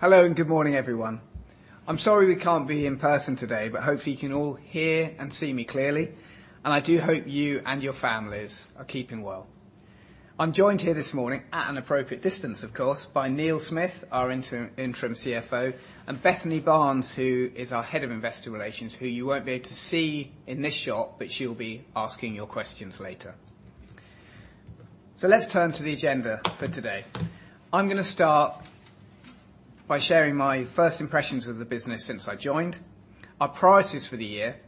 Hello and good morning, everyone. I'm sorry we can't be in person today, but hopefully you can all hear and see me clearly, and I do hope you and your families are keeping well. I'm joined here this morning at an appropriate distance, of course, by Neil Smith, our interim CFO, and Bethany Barnes, who is our head of investor relations, who you won't be able to see in this shot, but she'll be asking your questions later. So let's turn to the agenda for today. I'm going to start by sharing my first impressions of the business since I joined, our priorities for the year,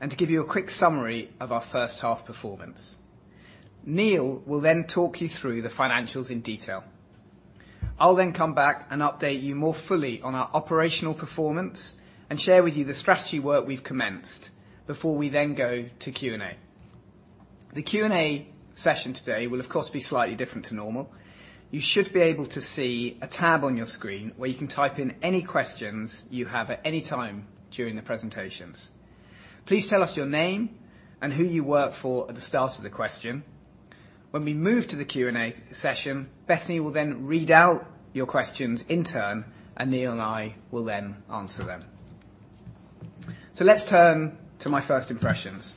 and to give you a quick summary of our first half performance. Neil will then talk you through the financials in detail. I'll then come back and update you more fully on our operational performance and share with you the strategy work we've commenced before we then go to Q&A. The Q&A session today will, of course, be slightly different to normal. You should be able to see a tab on your screen where you can type in any questions you have at any time during the presentations. Please tell us your name and who you work for at the start of the question. When we move to the Q&A session, Bethany will then read out your questions in turn, and Neil and I will then answer them. So let's turn to my first impressions.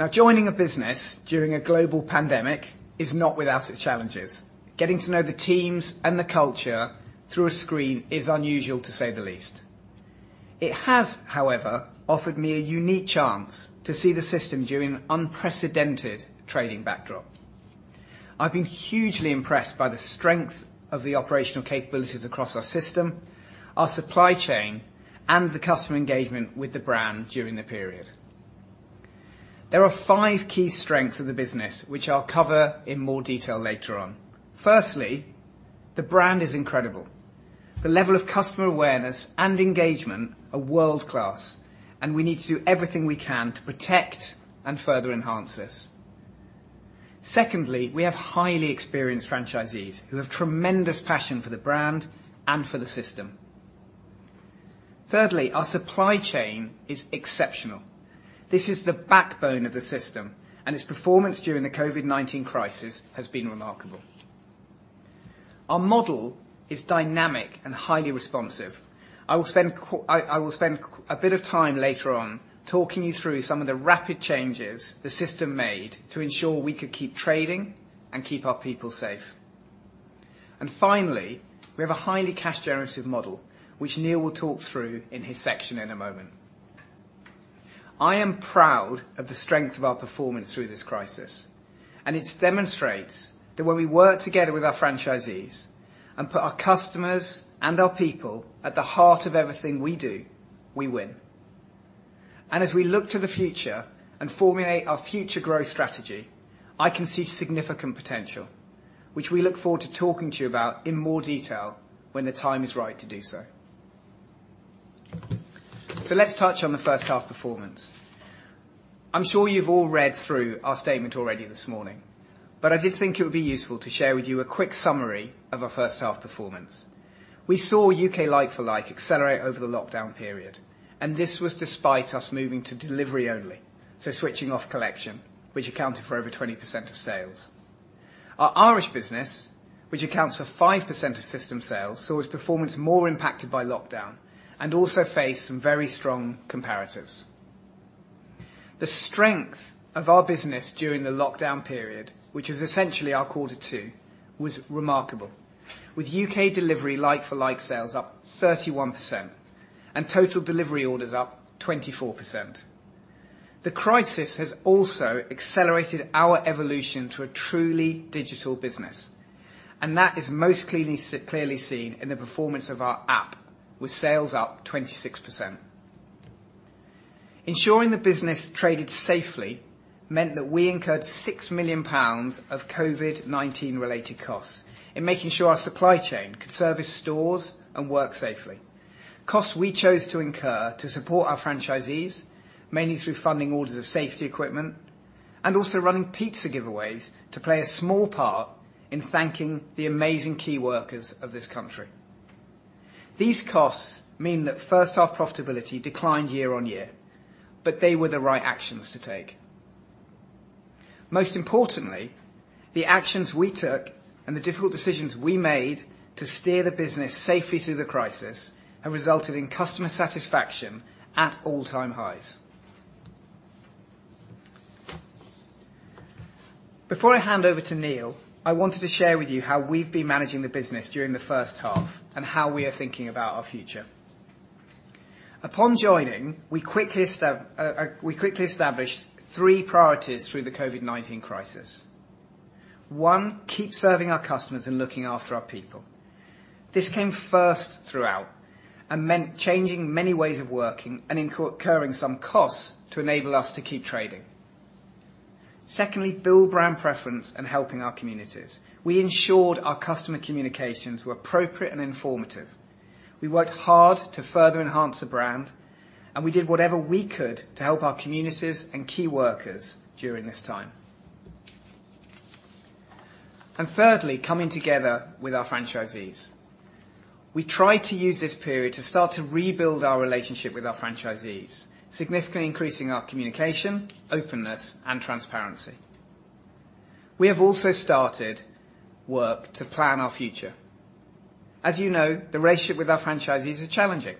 Now, joining a business during a global pandemic is not without its challenges. Getting to know the teams and the culture through a screen is unusual, to say the least. It has, however, offered me a unique chance to see the system during an unprecedented trading backdrop. I've been hugely impressed by the strength of the operational capabilities across our system, our supply chain, and the customer engagement with the brand during the period. There are five key strengths of the business, which I'll cover in more detail later on. Firstly, the brand is incredible. The level of customer awareness and engagement is world-class, and we need to do everything we can to protect and further enhance this. Secondly, we have highly experienced franchisees who have tremendous passion for the brand and for the system. Thirdly, our supply chain is exceptional. This is the backbone of the system, and its performance during the COVID-19 crisis has been remarkable. Our model is dynamic and highly responsive. I will spend a bit of time later on talking you through some of the rapid changes the system made to ensure we could keep trading and keep our people safe. And finally, we have a highly cash-generative model, which Neil will talk through in his section in a moment. I am proud of the strength of our performance through this crisis, and it demonstrates that when we work together with our franchisees and put our customers and our people at the heart of everything we do, we win. And as we look to the future and formulate our future growth strategy, I can see significant potential, which we look forward to talking to you about in more detail when the time is right to do so. So let's touch on the first half performance. I'm sure you've all read through our statement already this morning, but I did think it would be useful to share with you a quick summary of our first half performance. We saw U.K. like-for-like accelerate over the lockdown period, and this was despite us moving to delivery only, so switching off collection, which accounted for over 20% of sales. Our Irish business, which accounts for 5% of system sales, saw its performance more impacted by lockdown and also faced some very strong comparatives. The strength of our business during the lockdown period, which was essentially our quarter two, was remarkable, with U.K. delivery like-for-like sales up 31% and total delivery orders up 24%. The crisis has also accelerated our evolution to a truly digital business, and that is most clearly seen in the performance of our app, with sales up 26%. Ensuring the business traded safely meant that we incurred 6 million pounds of COVID-19-related costs in making sure our supply chain could service stores and work safely. Costs we chose to incur to support our franchisees, mainly through funding orders of safety equipment and also running pizza giveaways, play a small part in thanking the amazing key workers of this country. These costs mean that first-half profitability declined year-on-year, but they were the right actions to take. Most importantly, the actions we took and the difficult decisions we made to steer the business safely through the crisis have resulted in customer satisfaction at all-time highs. Before I hand over to Neil, I wanted to share with you how we've been managing the business during the first half and how we are thinking about our future. Upon joining, we quickly established three priorities through the COVID-19 crisis. One, keep serving our customers and looking after our people. This came first throughout and meant changing many ways of working and incurring some costs to enable us to keep trading. Secondly, build brand preference and helping our communities. We ensured our customer communications were appropriate and informative. We worked hard to further enhance the brand, and we did whatever we could to help our communities and key workers during this time. And thirdly, coming together with our franchisees. We tried to use this period to start to rebuild our relationship with our franchisees, significantly increasing our communication, openness, and transparency. We have also started work to plan our future. As you know, the relationship with our franchisees is challenging,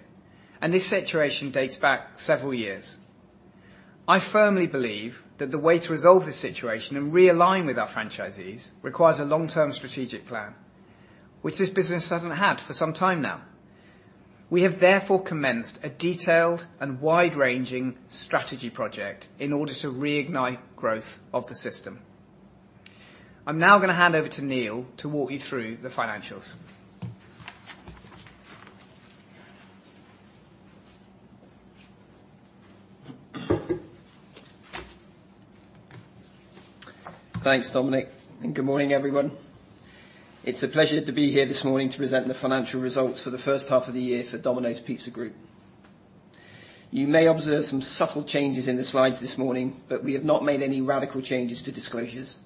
and this situation dates back several years. I firmly believe that the way to resolve this situation and realign with our franchisees requires a long-term strategic plan, which this business hasn't had for some time now. We have therefore commenced a detailed and wide-ranging strategy project in order to reignite growth of the system. I'm now going to hand over to Neil to walk you through the financials. Thanks, Dominic, and good morning, everyone. It's a pleasure to be here this morning to present the financial results for the first half of the year for Domino's Pizza Group. You may observe some subtle changes in the slides this morning, but we have not made any radical changes to disclosures.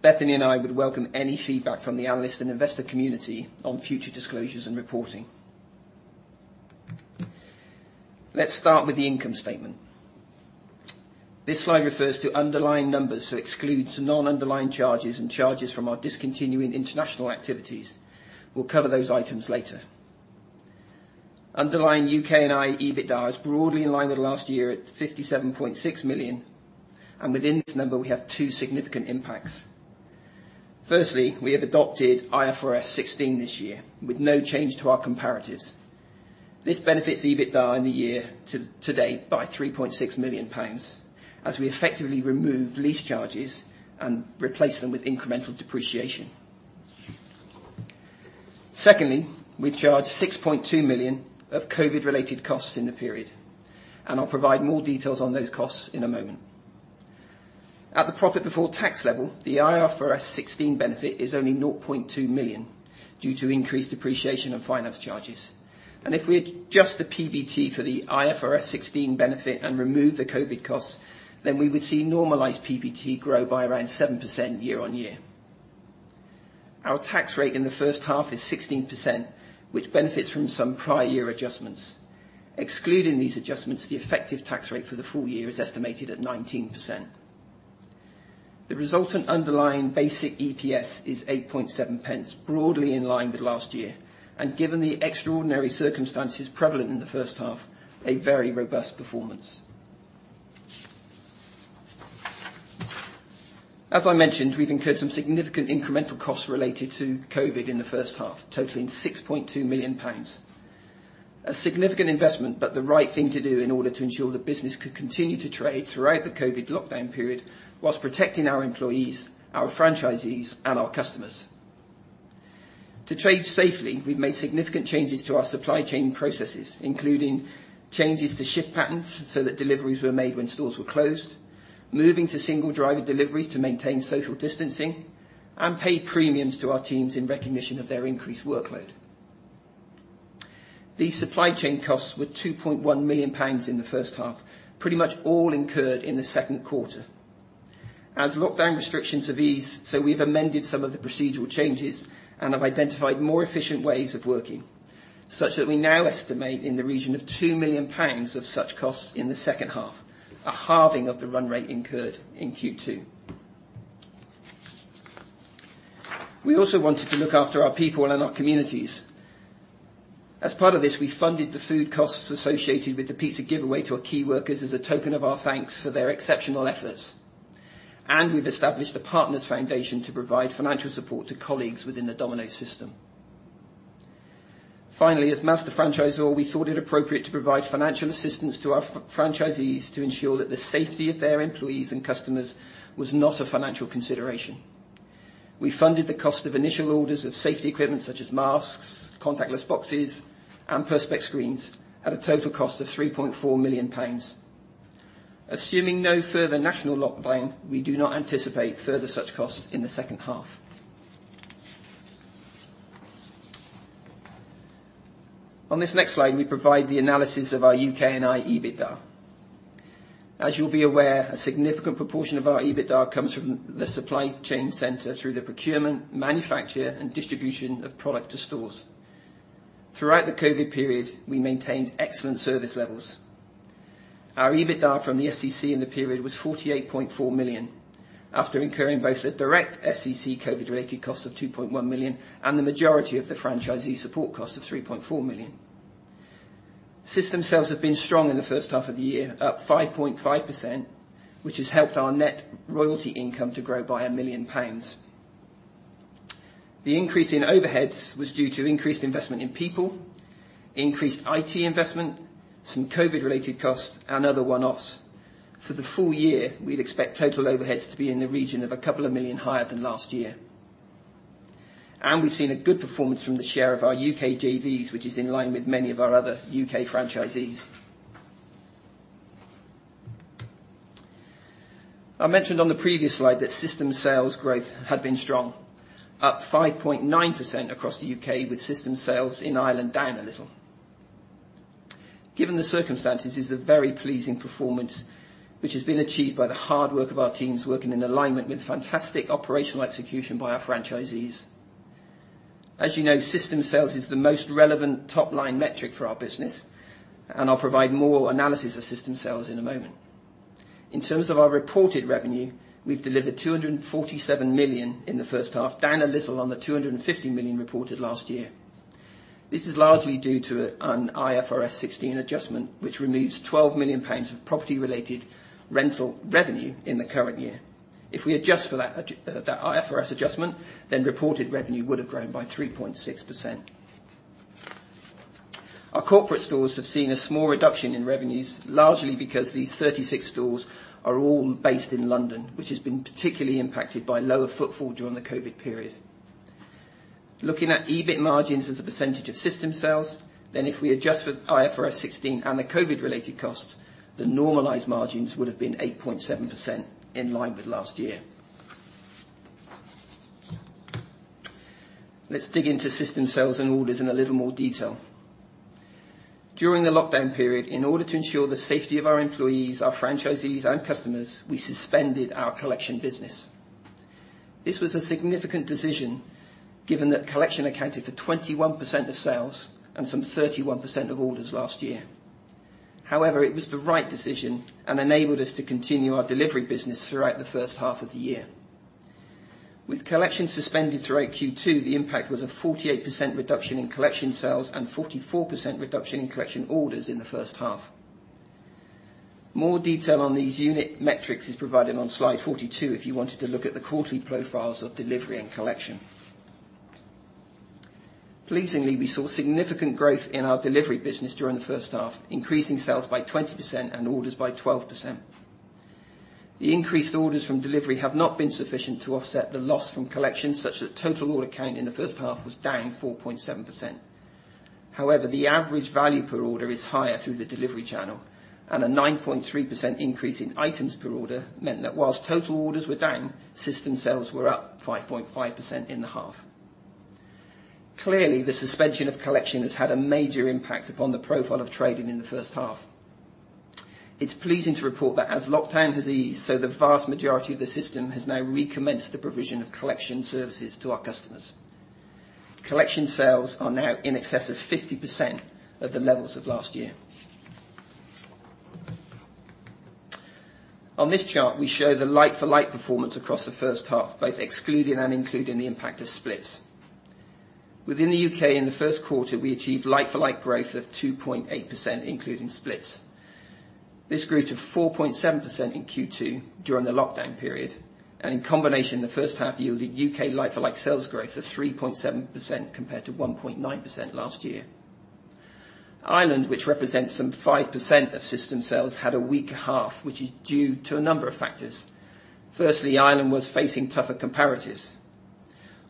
Bethany and I would welcome any feedback from the analyst and investor community on future disclosures and reporting. Let's start with the income statement. This slide refers to underlying numbers, so it excludes non-underlying charges and charges from our discontinuing international activities. We'll cover those items later. Underlying U.K. and Ireland EBITDA is broadly in line with last year at 57.6 million, and within this number, we have two significant impacts. Firstly, we have adopted IFRS 16 this year with no change to our comparatives. This benefits EBITDA in the year to date by 3.6 million pounds as we effectively remove lease charges and replace them with incremental depreciation. Secondly, we've charged 6.2 million of COVID-related costs in the period, and I'll provide more details on those costs in a moment. At the profit before tax level, the IFRS 16 benefit is only 0.2 million due to increased depreciation and finance charges. And if we adjust the PBT for the IFRS 16 benefit and remove the COVID costs, then we would see normalized PBT grow by around 7% year-on-year. Our tax rate in the first half is 16%, which benefits from some prior year adjustments. Excluding these adjustments, the effective tax rate for the full year is estimated at 19%. The resultant underlying basic EPS is 8.7, broadly in line with last year, and given the extraordinary circumstances prevalent in the first half, a very robust performance. As I mentioned, we've incurred some significant incremental costs related to COVID in the first half, totaling 6.2 million pounds. A significant investment, but the right thing to do in order to ensure the business could continue to trade throughout the COVID lockdown period whilst protecting our employees, our franchisees, and our customers. To trade safely, we've made significant changes to our supply chain processes, including changes to shift patterns so that deliveries were made when stores were closed, moving to single-driver deliveries to maintain social distancing, and paid premiums to our teams in recognition of their increased workload. These supply chain costs were 2.1 million pounds in the first half, pretty much all incurred in the second quarter. As lockdown restrictions have eased, we've amended some of the procedural changes and have identified more efficient ways of working, such that we now estimate in the region of 2 million pounds of such costs in the second half, a halving of the run rate incurred in Q2. We also wanted to look after our people and our communities. As part of this, we funded the food costs associated with the pizza giveaway to our key workers as a token of our thanks for their exceptional efforts. And we've established a Partners Foundation to provide financial support to colleagues within the Domino's Pizza Group's system. Finally, as Master Franchisor, we thought it appropriate to provide financial assistance to our franchisees to ensure that the safety of their employees and customers was not a financial consideration. We funded the cost of initial orders of safety equipment such as masks, contactless boxes, and Perspex screens at a total cost of 3.4 million pounds. Assuming no further national lockdown, we do not anticipate further such costs in the second half. On this next slide, we provide the analysis of our U.K. and Ireland EBITDA. As you'll be aware, a significant proportion of our EBITDA comes from the supply chain center through the procurement, manufacture, and distribution of product to stores. Throughout the COVID period, we maintained excellent service levels. Our EBITDA from the SCC in the period was 48.4 million after incurring both the direct SCC COVID-related cost of 2.1 million and the majority of the franchisee support cost of 3.4 million. System sales have been strong in the first half of the year, up 5.5%, which has helped our net royalty income to grow by 1 million pounds. The increase in overheads was due to increased investment in people, increased IT investment, some COVID-related costs, and other one-offs. For the full year, we'd expect total overheads to be in the region of a couple of million higher than last year, and we've seen a good performance from the share of our U.K. JVs, which is in line with many of our other U.K. franchisees. I mentioned on the previous slide that system sales growth had been strong, up 5.9% across the U.K., with system sales in Ireland down a little. Given the circumstances, it is a very pleasing performance, which has been achieved by the hard work of our teams working in alignment with fantastic operational execution by our franchisees. As you know, system sales is the most relevant top-line metric for our business, and I'll provide more analysis of system sales in a moment. In terms of our reported revenue, we've delivered 247 million in the first half, down a little on the 250 million reported last year. This is largely due to an IFRS 16 adjustment, which removes 12 million pounds of property-related rental revenue in the current year. If we adjust for that IFRS adjustment, then reported revenue would have grown by 3.6%. Our corporate stores have seen a small reduction in revenues, largely because these 36 stores are all based in London, which has been particularly impacted by lower footfall during the COVID period. Looking at EBIT margins as a percentage of system sales, then if we adjust for IFRS 16 and the COVID-related costs, the normalized margins would have been 8.7% in line with last year. Let's dig into system sales and orders in a little more detail. During the lockdown period, in order to ensure the safety of our employees, our franchisees, and customers, we suspended our collection business. This was a significant decision given that collection accounted for 21% of sales and some 31% of orders last year. However, it was the right decision and enabled us to continue our delivery business throughout the first half of the year. With collection suspended throughout Q2, the impact was a 48% reduction in collection sales and 44% reduction in collection orders in the first half. More detail on these unit metrics is provided on slide 42 if you wanted to look at the quarterly profiles of delivery and collection. Pleasingly, we saw significant growth in our delivery business during the first half, increasing sales by 20% and orders by 12%. The increased orders from delivery have not been sufficient to offset the loss from collection, such that total order count in the first half was down 4.7%. However, the average value per order is higher through the delivery channel, and a 9.3% increase in items per order meant that whilst total orders were down, system sales were up 5.5% in the half. Clearly, the suspension of collection has had a major impact upon the profile of trading in the first half. It's pleasing to report that as lockdown has eased, so the vast majority of the system has now recommenced the provision of collection services to our customers. Collection sales are now in excess of 50% of the levels of last year. On this chart, we show the like-for-like performance across the first half, both excluding and including the impact of splits. Within the U.K., in the first quarter, we achieved like-for-like growth of 2.8%, including splits. This grew to 4.7% in Q2 during the lockdown period, and in combination, the first half yielded U.K. like-for-like sales growth of 3.7% compared to 1.9% last year. Ireland, which represents some 5% of system sales, had a weaker half, which is due to a number of factors. Firstly, Ireland was facing tougher comparatives.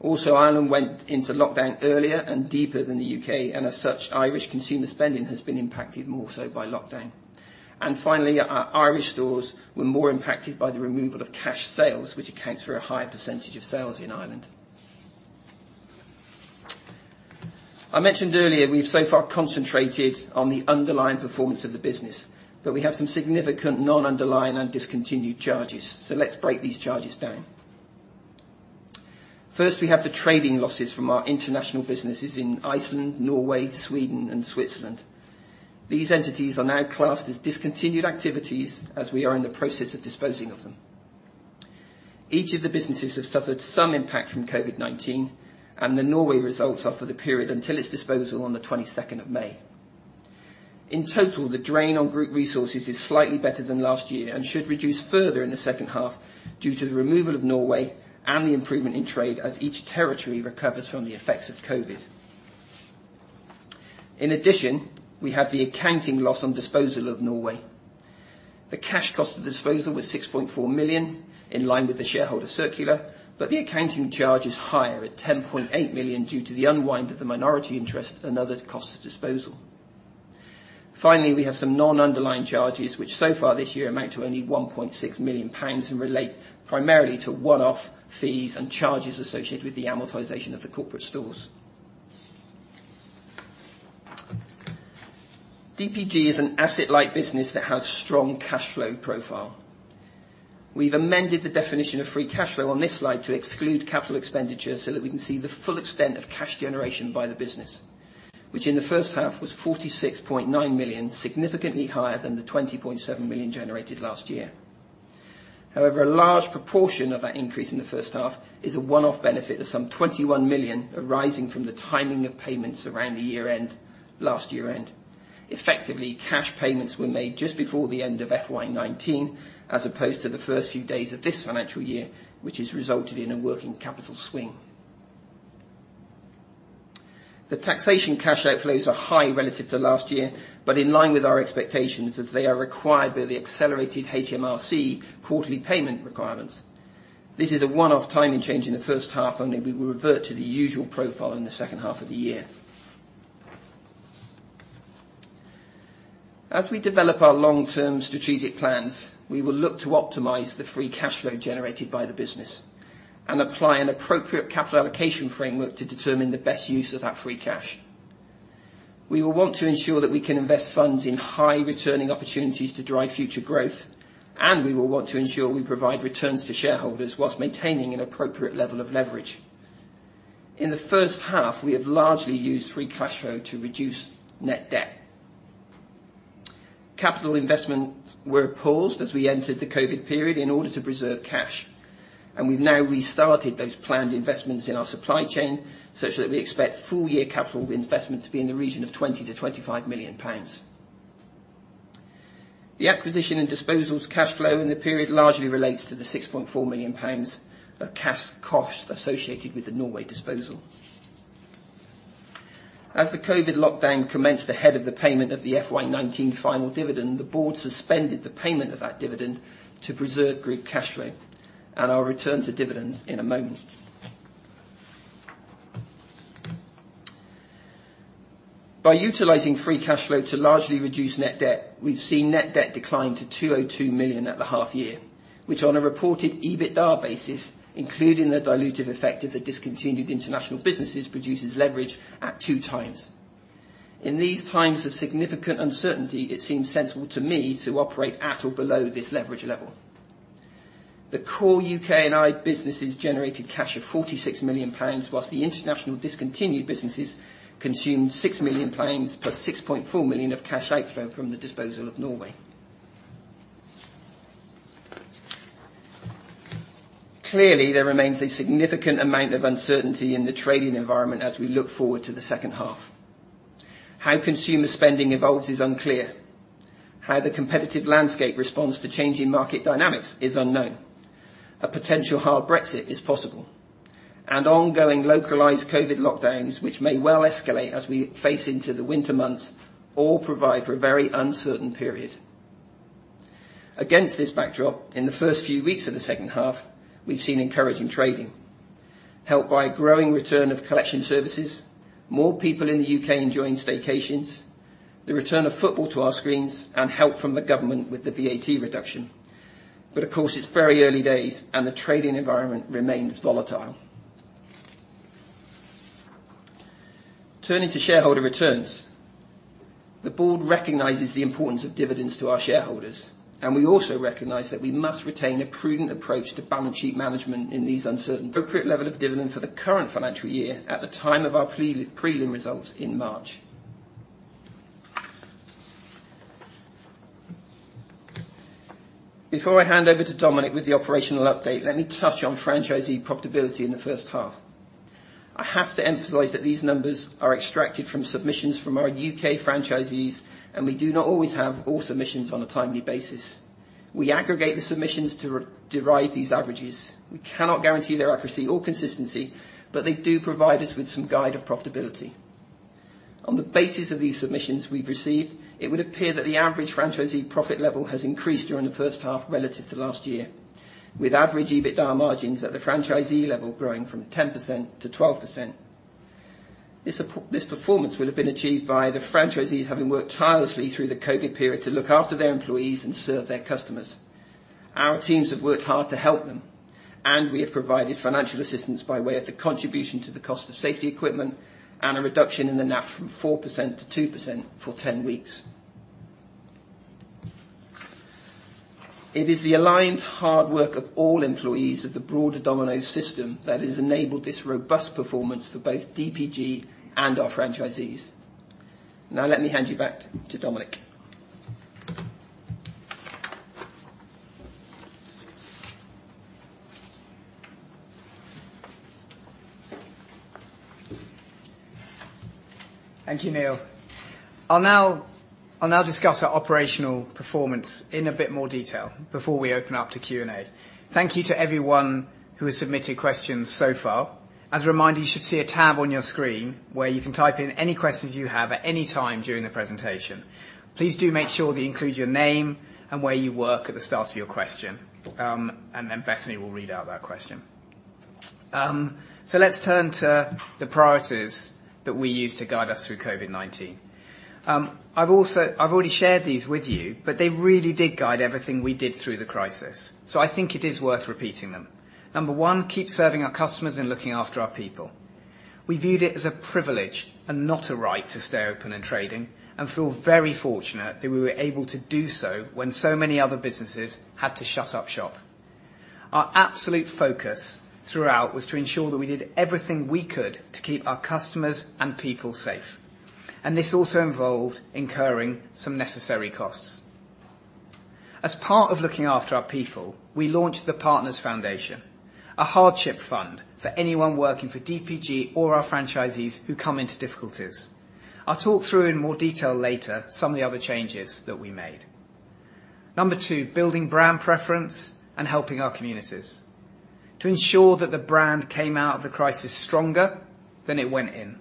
Also, Ireland went into lockdown earlier and deeper than the U.K., and as such, Irish consumer spending has been impacted more so by lockdown, and finally, Irish stores were more impacted by the removal of cash sales, which accounts for a higher percentage of sales in Ireland. I mentioned earlier we've so far concentrated on the underlying performance of the business, but we have some significant non-underlying and discontinued charges, so let's break these charges down. First, we have the trading losses from our international businesses in Iceland, Norway, Sweden, and Switzerland. These entities are now classed as discontinued activities as we are in the process of disposing of them. Each of the businesses has suffered some impact from COVID-19, and the Norway results are for the period until its disposal on the 22nd of May. In total, the drain on group resources is slightly better than last year and should reduce further in the second half due to the removal of Norway and the improvement in trade as each territory recovers from the effects of COVID. In addition, we have the accounting loss on disposal of Norway. The cash cost of disposal was 6.4 million, in line with the shareholder circular, but the accounting charge is higher at 10.8 million due to the unwind of the minority interest and other costs of disposal. Finally, we have some non-underlying charges, which so far this year amount to only 1.6 million pounds and relate primarily to one-off fees and charges associated with the amortization of the corporate stores. Domino Pizza Group is an asset-like business that has a strong cash flow profile. We've amended the definition of free cash flow on this slide to exclude capital expenditure so that we can see the full extent of cash generation by the business, which in the first half was 46.9 million, significantly higher than the 20.7 million generated last year. However, a large proportion of that increase in the first half is a one-off benefit of some 21 million, arising from the timing of payments around the year-end, last year-end. Effectively, cash payments were made just before the end of FY 2019 as opposed to the first few days of this financial year, which has resulted in a working capital swing. The taxation cash outflows are high relative to last year, but in line with our expectations as they are required by the accelerated HMRC quarterly payment requirements. This is a one-off timing change in the first half, and we will revert to the usual profile in the second half of the year. As we develop our long-term strategic plans, we will look to optimize the free cash flow generated by the business and apply an appropriate capital allocation framework to determine the best use of that free cash. We will want to ensure that we can invest funds in high-returning opportunities to drive future growth, and we will want to ensure we provide returns to shareholders whilst maintaining an appropriate level of leverage. In the first half, we have largely used free cash flow to reduce net debt. Capital investments were paused as we entered the COVID period in order to preserve cash, and we've now restarted those planned investments in our supply chain such that we expect full-year capital investment to be in the region of 20 million-25 million pounds. The acquisition and disposal cash flow in the period largely relates to the 6.4 million pounds of cash costs associated with the Norway disposal. As the COVID lockdown commenced ahead of the payment of the FY 2019 final dividend, the board suspended the payment of that dividend to preserve group cash flow, and I'll return to dividends in a moment. By utilizing free cash flow to largely reduce net debt, we've seen net debt decline to 202 million at the half-year, which on a reported EBITDA basis, including the dilutive effect of the discontinued international businesses, produces leverage at two times. In these times of significant uncertainty, it seems sensible to me to operate at or below this leverage level. The core U.K. and Ireland businesses generated cash of GBP 46 million, whilst the international discontinued businesses consumed GBP 6 million plus GBP 6.4 million of cash outflow from the disposal of Norway. Clearly, there remains a significant amount of uncertainty in the trading environment as we look forward to the second half. How consumer spending evolves is unclear. How the competitive landscape responds to changing market dynamics is unknown. A potential hard Brexit is possible. And ongoing localized COVID lockdowns, which may well escalate as we face into the winter months, all provide for a very uncertain period. Against this backdrop, in the first few weeks of the second half, we've seen encouraging trading, helped by a growing return of collection services, more people in the U.K. enjoying staycations, the return of football to our screens, and help from the government with the VAT reduction. But of course, it's very early days, and the trading environment remains volatile. Turning to shareholder returns, the board recognizes the importance of dividends to our shareholders, and we also recognize that we must retain a prudent approach to balance sheet management in these uncertain times. Appropriate level of dividend for the current financial year at the time of our prelim results in March. Before I hand over to Dominic with the operational update, let me touch on franchisee profitability in the first half. I have to emphasize that these numbers are extracted from submissions from our U.K. franchisees, and we do not always have all submissions on a timely basis. We aggregate the submissions to derive these averages. We cannot guarantee their accuracy or consistency, but they do provide us with some guide of profitability. On the basis of these submissions we've received, it would appear that the average franchisee profit level has increased during the first half relative to last year, with average EBITDA margins at the franchisee level growing from 10% to 12%. This performance would have been achieved by the franchisees having worked tirelessly through the COVID period to look after their employees and serve their customers. Our teams have worked hard to help them, and we have provided financial assistance by way of the contribution to the cost of safety equipment and a reduction in the NAF from 4% to 2% for 10 weeks. It is the aligned hard work of all employees of the broader Domino's system that has enabled this robust performance for both Domino Pizza Group and our franchisees. Now, let me hand you back to Dominic. Thank you, Neil. I'll now discuss our operational performance in a bit more detail before we open up to Q&A. Thank you to everyone who has submitted questions so far. As a reminder, you should see a tab on your screen where you can type in any questions you have at any time during the presentation. Please do make sure that you include your name and where you work at the start of your question, and then Bethany will read out that question. So let's turn to the priorities that we use to guide us through COVID-19. I've already shared these with you, but they really did guide everything we did through the crisis. So I think it is worth repeating them. Number one, keep serving our customers and looking after our people. We viewed it as a privilege and not a right to stay open in trading and feel very fortunate that we were able to do so when so many other businesses had to shut up shop. Our absolute focus throughout was to ensure that we did everything we could to keep our customers and people safe. And this also involved incurring some necessary costs. As part of looking after our people, we launched the Partners Foundation, a hardship fund for anyone working for Domino Pizza Group or our franchisees who come into difficulties. I'll talk through in more detail later some of the other changes that we made. Number two, building brand preference and helping our communities to ensure that the brand came out of the crisis stronger than it went in,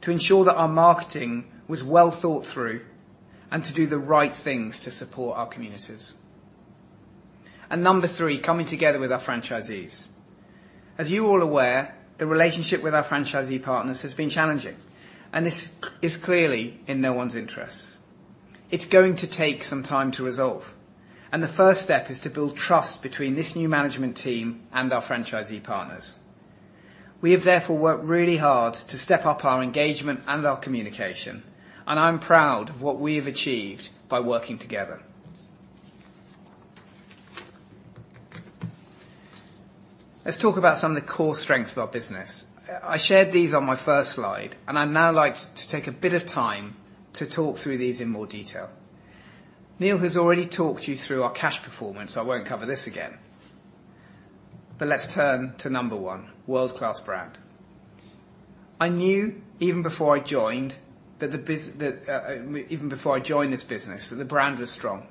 to ensure that our marketing was well thought through, and to do the right things to support our communities. And number three, coming together with our franchisees. As you're all aware, the relationship with our franchisee partners has been challenging, and this is clearly in no one's interests. It's going to take some time to resolve, and the first step is to build trust between this new management team and our franchisee partners. We have therefore worked really hard to step up our engagement and our communication, and I'm proud of what we have achieved by working together. Let's talk about some of the core strengths of our business. I shared these on my first slide, and I'd now like to take a bit of time to talk through these in more detail. Neil has already talked you through our cash performance. I won't cover this again. But let's turn to number one, world-class brand. I knew even before I joined that the business, even before I joined this business, that the brand was strong.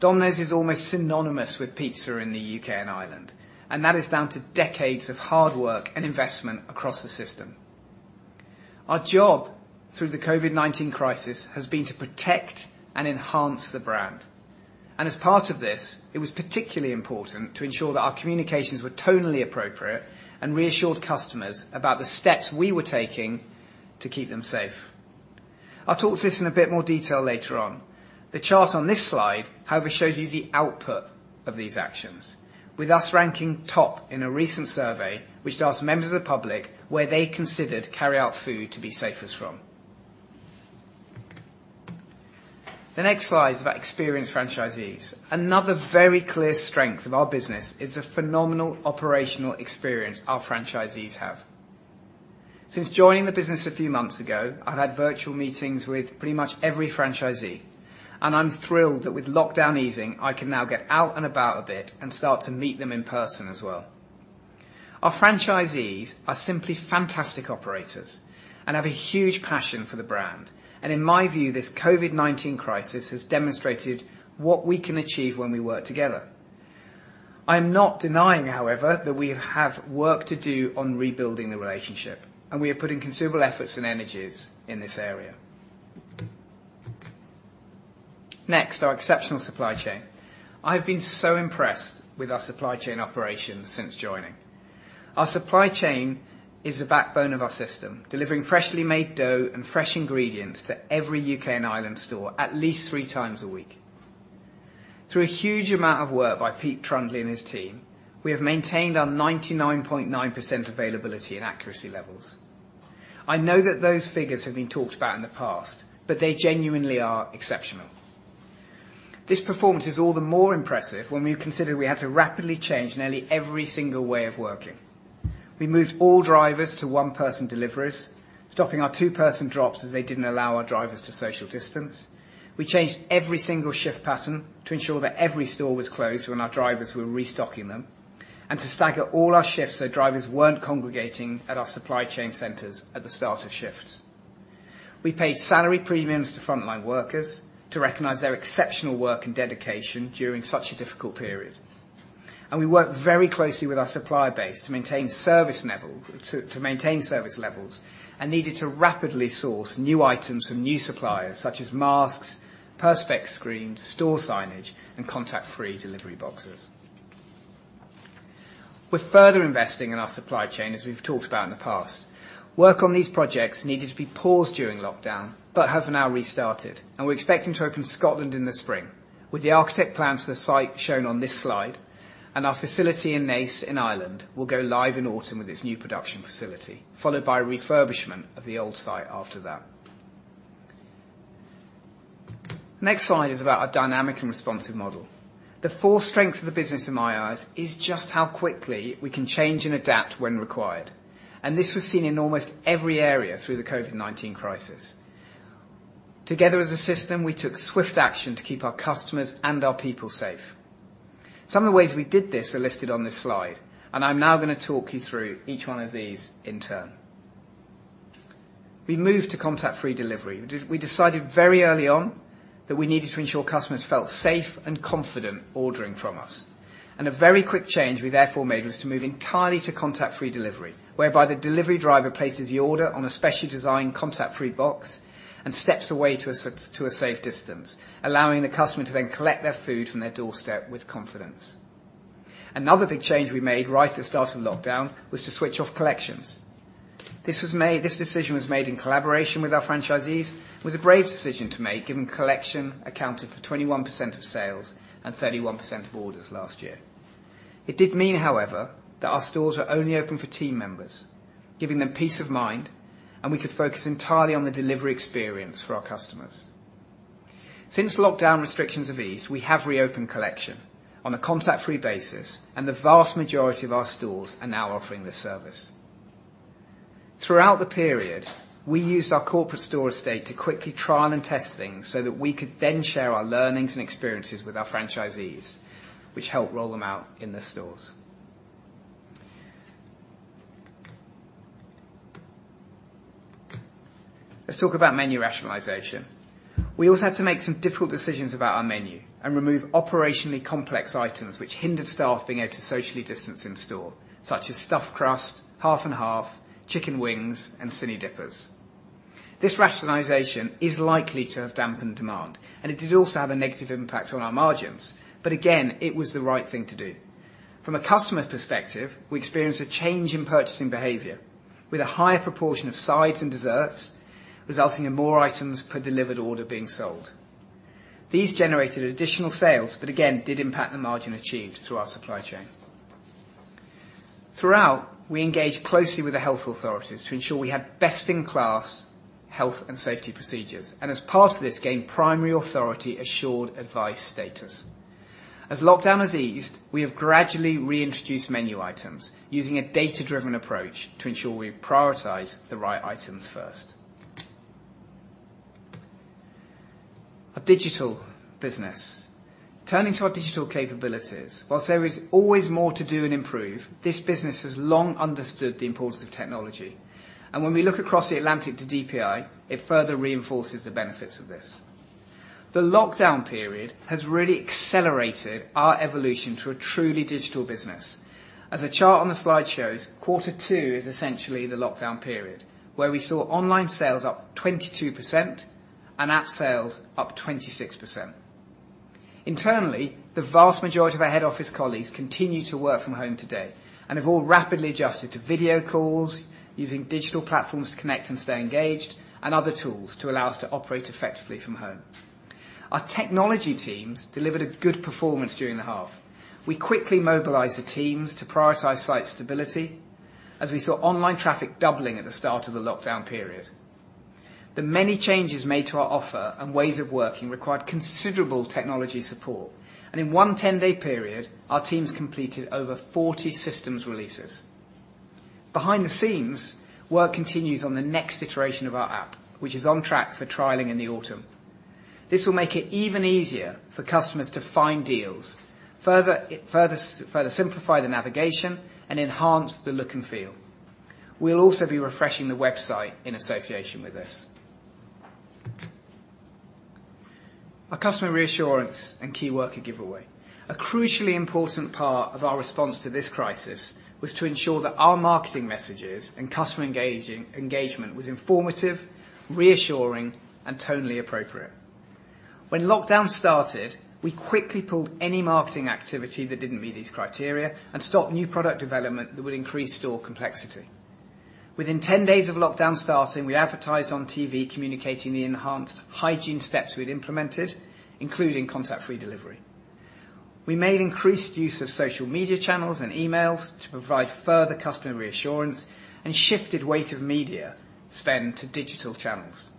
Domino's is almost synonymous with pizza in the U.K. and Ireland, and that is down to decades of hard work and investment across the system. Our job through the COVID-19 crisis has been to protect and enhance the brand. And as part of this, it was particularly important to ensure that our communications were tonally appropriate and reassured customers about the steps we were taking to keep them safe. I'll talk to this in a bit more detail later on. The chart on this slide, however, shows you the output of these actions, with us ranking top in a recent survey which asked members of the public where they considered carry-out food to be safest from. The next slide is about experienced franchisees. Another very clear strength of our business is the phenomenal operational experience our franchisees have. Since joining the business a few months ago, I've had virtual meetings with pretty much every franchisee, and I'm thrilled that with lockdown easing, I can now get out and about a bit and start to meet them in person as well. Our franchisees are simply fantastic operators and have a huge passion for the brand, and in my view, this COVID-19 crisis has demonstrated what we can achieve when we work together. I am not denying, however, that we have work to do on rebuilding the relationship, and we are putting considerable efforts and energies in this area. Next, our exceptional supply chain. I have been so impressed with our supply chain operations since joining. Our supply chain is the backbone of our system, delivering freshly made dough and fresh ingredients to every U.K. and Ireland store at least three times a week. Through a huge amount of work by Pete Trundley and his team, we have maintained our 99.9% availability and accuracy levels. I know that those figures have been talked about in the past, but they genuinely are exceptional. This performance is all the more impressive when we consider we had to rapidly change nearly every single way of working. We moved all drivers to one-person deliveries, stopping our two-person drops as they didn't allow our drivers to social distance. We changed every single shift pattern to ensure that every store was closed when our drivers were restocking them and to stagger all our shifts so drivers weren't congregating at our supply chain centers at the start of shifts. We paid salary premiums to frontline workers to recognize their exceptional work and dedication during such a difficult period. And we worked very closely with our supply base to maintain service levels and needed to rapidly source new items from new suppliers such as masks, Perspex screens, store signage, and contact-free delivery boxes. We're further investing in our supply chain as we've talked about in the past. Work on these projects needed to be paused during lockdown but have now restarted, and we're expecting to open Scotland in the spring with the architect plans for the site shown on this slide, and our facility in Naas in Ireland will go live in autumn with its new production facility, followed by refurbishment of the old site after that. Next slide is about our dynamic and responsive model. The four strengths of the business in my eyes is just how quickly we can change and adapt when required, and this was seen in almost every area through the COVID-19 crisis. Together as a system, we took swift action to keep our customers and our people safe. Some of the ways we did this are listed on this slide, and I'm now going to talk you through each one of these in turn. We moved to contact-free delivery. We decided very early on that we needed to ensure customers felt safe and confident ordering from us, and a very quick change we therefore made was to move entirely to contact-free delivery, whereby the delivery driver places the order on a specially designed Contact-free Box and steps away to a safe distance, allowing the customer to then collect their food from their doorstep with confidence. Another big change we made right at the start of lockdown was to switch off collections. This decision was made in collaboration with our franchisees, and it was a brave decision to make given collection accounted for 21% of sales and 31% of orders last year. It did mean, however, that our stores were only open for team members, giving them peace of mind, and we could focus entirely on the delivery experience for our customers. Since lockdown restrictions have eased, we have reopened collection on a contact-free basis, and the vast majority of our stores are now offering this service. Throughout the period, we used our corporate store estate to quickly trial and test things so that we could then share our learnings and experiences with our franchisees, which helped roll them out in their stores. Let's talk about menu rationalization. We also had to make some difficult decisions about our menu and remove operationally complex items which hindered staff being able to socially distance in store, such as Stuffed Crust, Half & Half, chicken wings, and Cinni Dippers. This rationalization is likely to have dampened demand, and it did also have a negative impact on our margins. But again, it was the right thing to do. From a customer perspective, we experienced a change in purchasing behavior with a higher proportion of sides and desserts, resulting in more items per delivered order being sold. These generated additional sales, but again, did impact the margin achieved through our supply chain. Throughout, we engaged closely with the health authorities to ensure we had best-in-class health and safety procedures, and as part of this, gained Primary Authority Assured Advice status. As lockdown has eased, we have gradually reintroduced menu items using a data-driven approach to ensure we prioritize the right items first. A digital business. Turning to our digital capabilities, while there is always more to do and improve, this business has long understood the importance of technology. And when we look across the Atlantic to DPI, it further reinforces the benefits of this. The lockdown period has really accelerated our evolution to a truly digital business. As the chart on the slide shows, quarter two is essentially the lockdown period, where we saw online sales up 22% and app sales up 26%. Internally, the vast majority of our head office colleagues continue to work from home today and have all rapidly adjusted to video calls using digital platforms to connect and stay engaged and other tools to allow us to operate effectively from home. Our technology teams delivered a good performance during the half. We quickly mobilized the teams to prioritize site stability as we saw online traffic doubling at the start of the lockdown period. The many changes made to our offer and ways of working required considerable technology support, and in one 10-day period, our teams completed over 40 systems releases. Behind the scenes, work continues on the next iteration of our app, which is on track for trialing in the autumn. This will make it even easier for customers to find deals, further simplify the navigation, and enhance the look and feel. We'll also be refreshing the website in association with this. Our customer reassurance and key worker giveaway. A crucially important part of our response to this crisis was to ensure that our marketing messages and customer engagement was informative, reassuring, and tonally appropriate. When lockdown started, we quickly pulled any marketing activity that didn't meet these criteria and stopped new product development that would increase store complexity. Within 10 days of lockdown starting, we advertised on TV communicating the enhanced hygiene steps we'd implemented, including contact-free delivery. We made increased use of social media channels and emails to provide further customer reassurance and shifted weight of media spend to digital channels.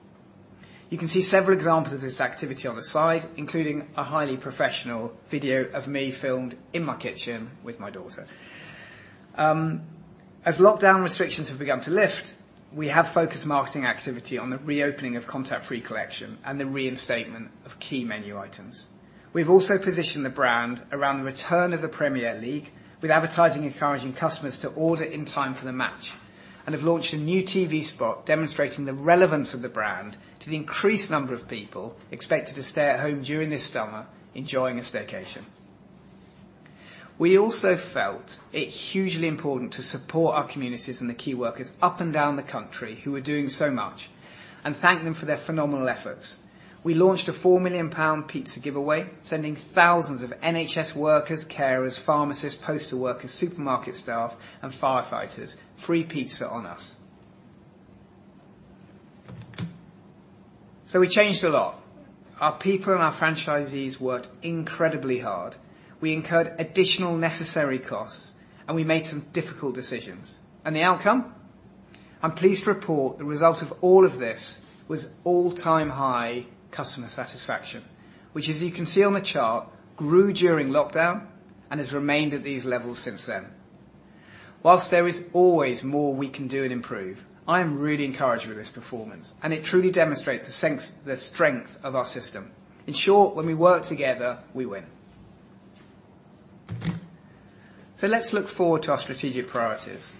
You can see several examples of this activity on the slide, including a highly professional video of me filmed in my kitchen with my daughter. As lockdown restrictions have begun to lift, we have focused marketing activity on the reopening of contact-free collection and the reinstatement of key menu items. We've also positioned the brand around the return of the Premier League, with advertising encouraging customers to order in time for the match, and have launched a new TV spot demonstrating the relevance of the brand to the increased number of people expected to stay at home during this summer enjoying a staycation. We also felt it hugely important to support our communities and the key workers up and down the country who were doing so much and thank them for their phenomenal efforts. We launched a 4 million pound pizza giveaway, sending thousands of NHS workers, carers, pharmacists, postal workers, supermarket staff, and firefighters free pizza on us, so we changed a lot. Our people and our franchisees worked incredibly hard. We incurred additional necessary costs, and we made some difficult decisions, and the outcome? I'm pleased to report the result of all of this was all-time high customer satisfaction, which, as you can see on the chart, grew during lockdown and has remained at these levels since then. While there is always more we can do and improve, I am really encouraged with this performance, and it truly demonstrates the strength of our system. In short, when we work together, we win, so let's look forward to our strategic priorities.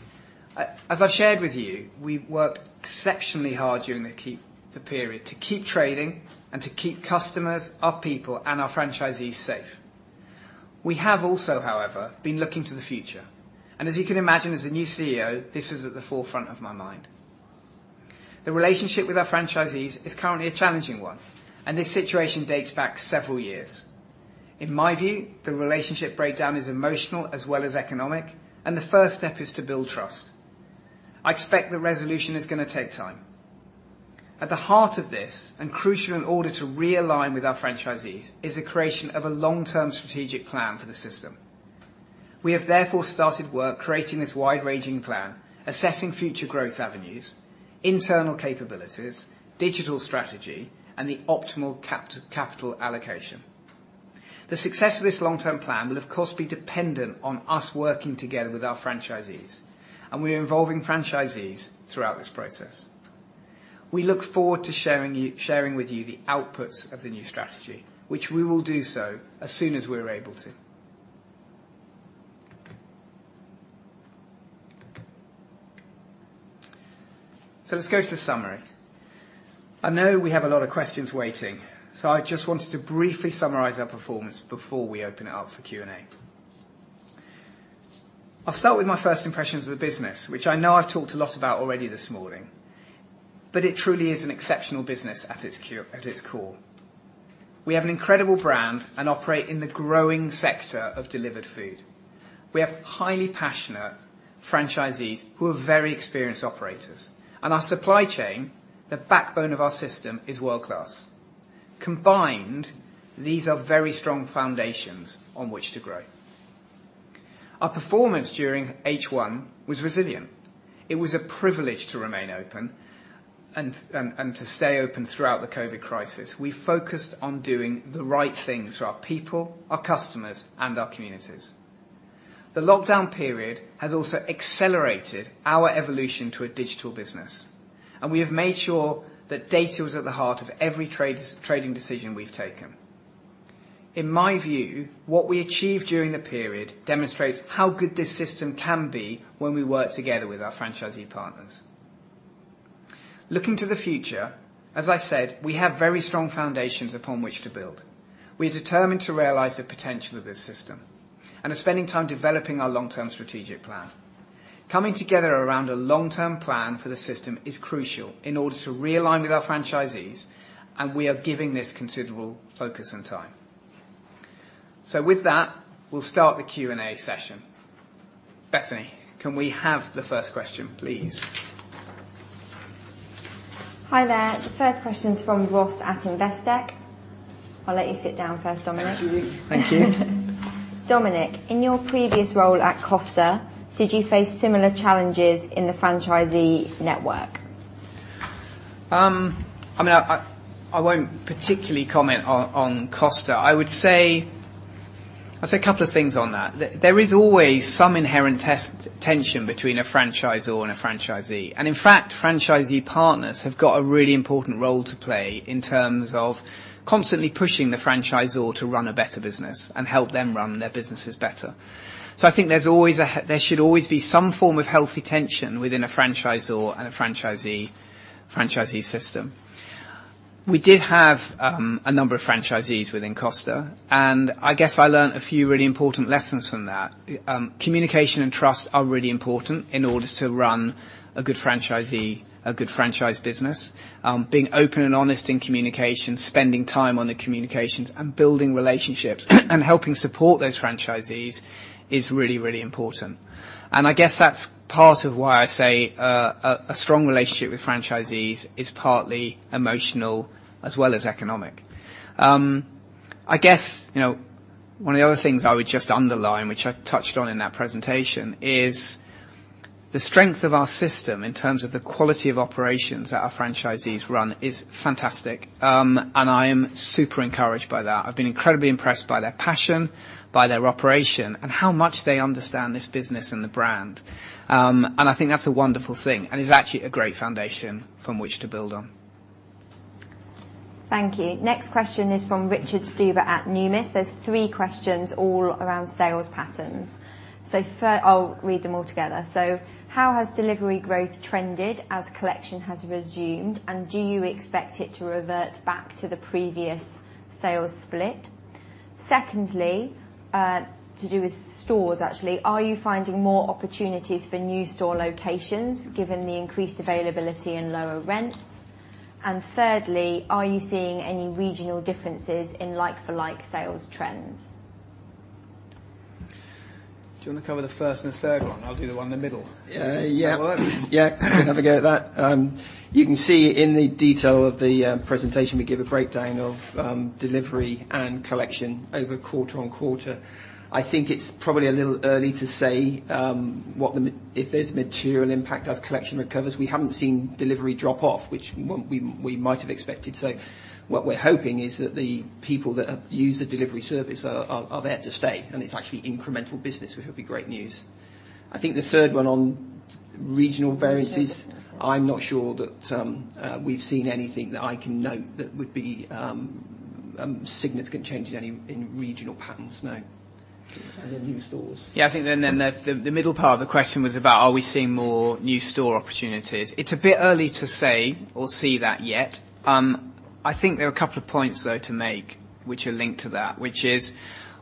As I've shared with you, we worked exceptionally hard during the period to keep trading and to keep customers, our people, and our franchisees safe. We have also, however, been looking to the future and, as you can imagine, as a new CEO, this is at the forefront of my mind. The relationship with our franchisees is currently a challenging one, and this situation dates back several years. In my view, the relationship breakdown is emotional as well as economic, and the first step is to build trust. I expect the resolution is going to take time. At the heart of this, and crucial in order to realign with our franchisees, is the creation of a long-term strategic plan for the system. We have therefore started work creating this wide-ranging plan, assessing future growth avenues, internal capabilities, digital strategy, and the optimal capital allocation. The success of this long-term plan will, of course, be dependent on us working together with our franchisees, and we are involving franchisees throughout this process. We look forward to sharing with you the outputs of the new strategy, which we will do so as soon as we're able to. Let's go to the summary. I know we have a lot of questions waiting, so I just wanted to briefly summarize our performance before we open it up for Q&A. I'll start with my first impressions of the business, which I know I've talked a lot about already this morning, but it truly is an exceptional business at its core. We have an incredible brand and operate in the growing sector of delivered food. We have highly passionate franchisees who are very experienced operators. Our supply chain, the backbone of our system, is world-class. Combined, these are very strong foundations on which to grow. Our performance during H1 was resilient. It was a privilege to remain open and to stay open throughout the COVID crisis. We focused on doing the right things for our people, our customers, and our communities. The lockdown period has also accelerated our evolution to a digital business, and we have made sure that data was at the heart of every trading decision we've taken. In my view, what we achieved during the period demonstrates how good this system can be when we work together with our franchisee partners. Looking to the future, as I said, we have very strong foundations upon which to build. We are determined to realize the potential of this system and are spending time developing our long-term strategic plan. Coming together around a long-term plan for the system is crucial in order to realign with our franchisees, and we are giving this considerable focus and time. So with that, we'll start the Q&A session. Bethany, can we have the first question, please? Hi there. The first question's from Ross at Investec. I'll let you sit down first, Dominic. Thank you. Thank you. Dominic, in your previous role at Costa, did you face similar challenges in the franchisee network? I mean, I won't particularly comment on Costa. I would say a couple of things on that. There is always some inherent tension between a franchisor and a franchisee. And in fact, franchisee partners have got a really important role to play in terms of constantly pushing the franchisor to run a better business and help them run their businesses better. So I think there should always be some form of healthy tension within a franchisor and a franchisee system. We did have a number of franchisees within Costa, and I guess I learned a few really important lessons from that. Communication and trust are really important in order to run a good franchisee, a good franchise business. Being open and honest in communication, spending time on the communications, and building relationships and helping support those franchisees is really, really important. I guess that's part of why I say a strong relationship with franchisees is partly emotional as well as economic. I guess one of the other things I would just underline, which I touched on in that presentation, is the strength of our system in terms of the quality of operations that our franchisees run is fantastic, and I am super encouraged by that. I've been incredibly impressed by their passion, by their operation, and how much they understand this business and the brand. I think that's a wonderful thing and is actually a great foundation from which to build on. Thank you. Next question is from Richard Stuber at Numis. There's three questions all around sales patterns. So I'll read them all together. So how has delivery growth trended as collection has resumed, and do you expect it to revert back to the previous sales split? Secondly, to do with stores actually, are you finding more opportunities for new store locations given the increased availability and lower rents? And thirdly, are you seeing any regional differences in like-for-like sales trends? Do you want to cover the first and the third one? I'll do the one in the middle. Yeah. That'll work? Yeah. Have a go at that. You can see in the detail of the presentation, we give a breakdown of delivery and collection over quarter on quarter. I think it's probably a little early to say if there's material impact as collection recovers. We haven't seen delivery drop off, which we might have expected. So what we're hoping is that the people that have used the delivery service are there to stay, and it's actually incremental business, which would be great news. I think the third one on regional variances, I'm not sure that we've seen anything that I can note that would be a significant change in regional patterns. No. And then new stores. Yeah. I think then the middle part of the question was about, are we seeing more new store opportunities? It's a bit early to say or see that yet. I think there are a couple of points though to make which are linked to that, which is,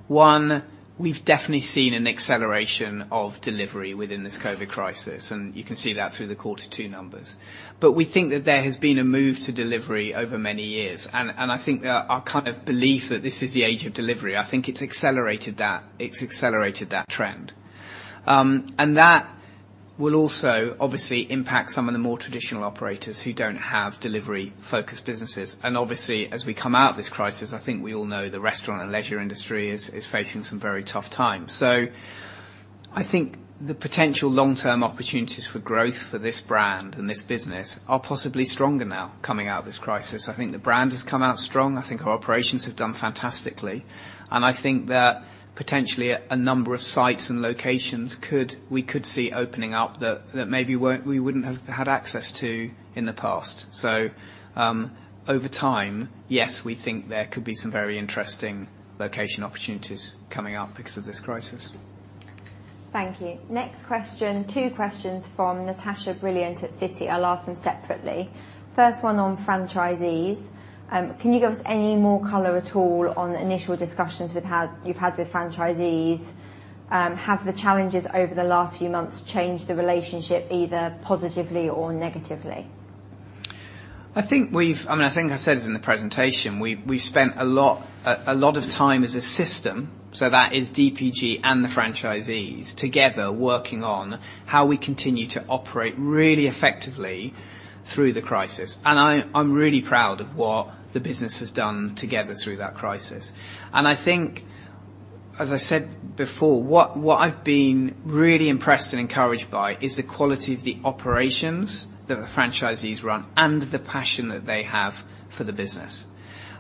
one, we've definitely seen an acceleration of delivery within this COVID crisis, and you can see that through the quarter two numbers. But we think that there has been a move to delivery over many years, and I think our kind of belief that this is the age of delivery, I think it's accelerated that trend. And that will also obviously impact some of the more traditional operators who don't have delivery-focused businesses. And obviously, as we come out of this crisis, I think we all know the restaurant and leisure industry is facing some very tough times. I think the potential long-term opportunities for growth for this brand and this business are possibly stronger now coming out of this crisis. I think the brand has come out strong. I think our operations have done fantastically. I think that potentially a number of sites and locations we could see opening up that maybe we wouldn't have had access to in the past. Over time, yes, we think there could be some very interesting location opportunities coming up because of this crisis. Thank you. Next question, two questions from Natasha Brilliant at Citi. I'll ask them separately. First one on franchisees. Can you give us any more color at all on initial discussions you've had with franchisees? Have the challenges over the last few months changed the relationship either positively or negatively? I mean, I think I said it in the presentation, we've spent a lot of time as a system, so that is Domino Pizza Group and the franchisees, together working on how we continue to operate really effectively through the crisis. And I'm really proud of what the business has done together through that crisis. And I think, as I said before, what I've been really impressed and encouraged by is the quality of the operations that the franchisees run and the passion that they have for the business.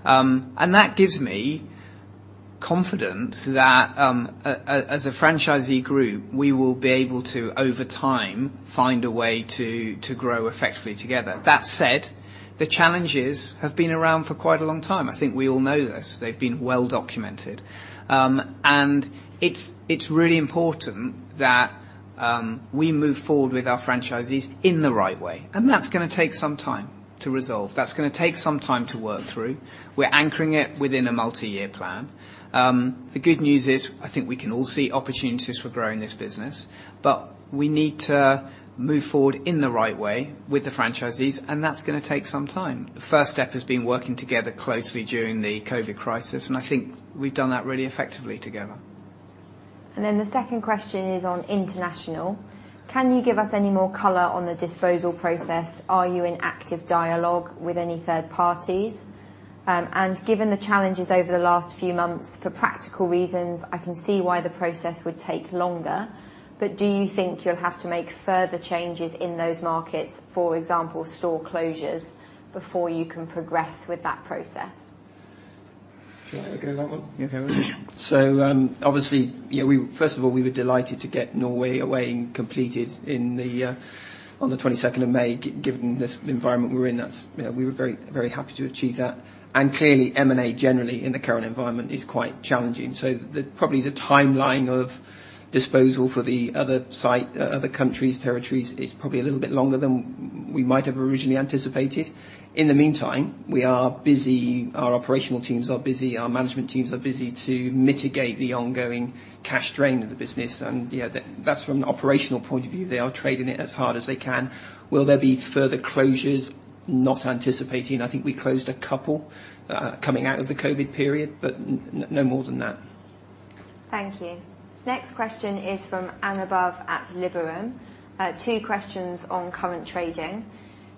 And that gives me confidence that as a franchisee group, we will be able to, over time, find a way to grow effectively together. That said, the challenges have been around for quite a long time. I think we all know this. They've been well documented. And it's really important that we move forward with our franchisees in the right way. And that's going to take some time to resolve. That's going to take some time to work through. We're anchoring it within a multi-year plan. The good news is I think we can all see opportunities for growing this business, but we need to move forward in the right way with the franchisees, and that's going to take some time. The first step has been working together closely during the COVID crisis, and I think we've done that really effectively together. And then the second question is on international. Can you give us any more color on the disposal process? Are you in active dialogue with any third parties? And given the challenges over the last few months, for practical reasons, I can see why the process would take longer, but do you think you'll have to make further changes in those markets, for example, store closures, before you can progress with that process? Shall I go to that one? Yeah, go ahead. So obviously, first of all, we were delighted to get Norway away and completed on the 22nd of May, given the environment we're in. We were very happy to achieve that. And clearly, M&A generally in the current environment is quite challenging. So probably the timeline of disposal for the other countries, territories, is probably a little bit longer than we might have originally anticipated. In the meantime, we are busy. Our operational teams are busy. Our management teams are busy to mitigate the ongoing cash drain of the business. And that's from an operational point of view. They are trading it as hard as they can. Will there be further closures? Not anticipating. I think we closed a couple coming out of the COVID period, but no more than that. Thank you. Next question is from Annabelle at Liberum. Two questions on current trading.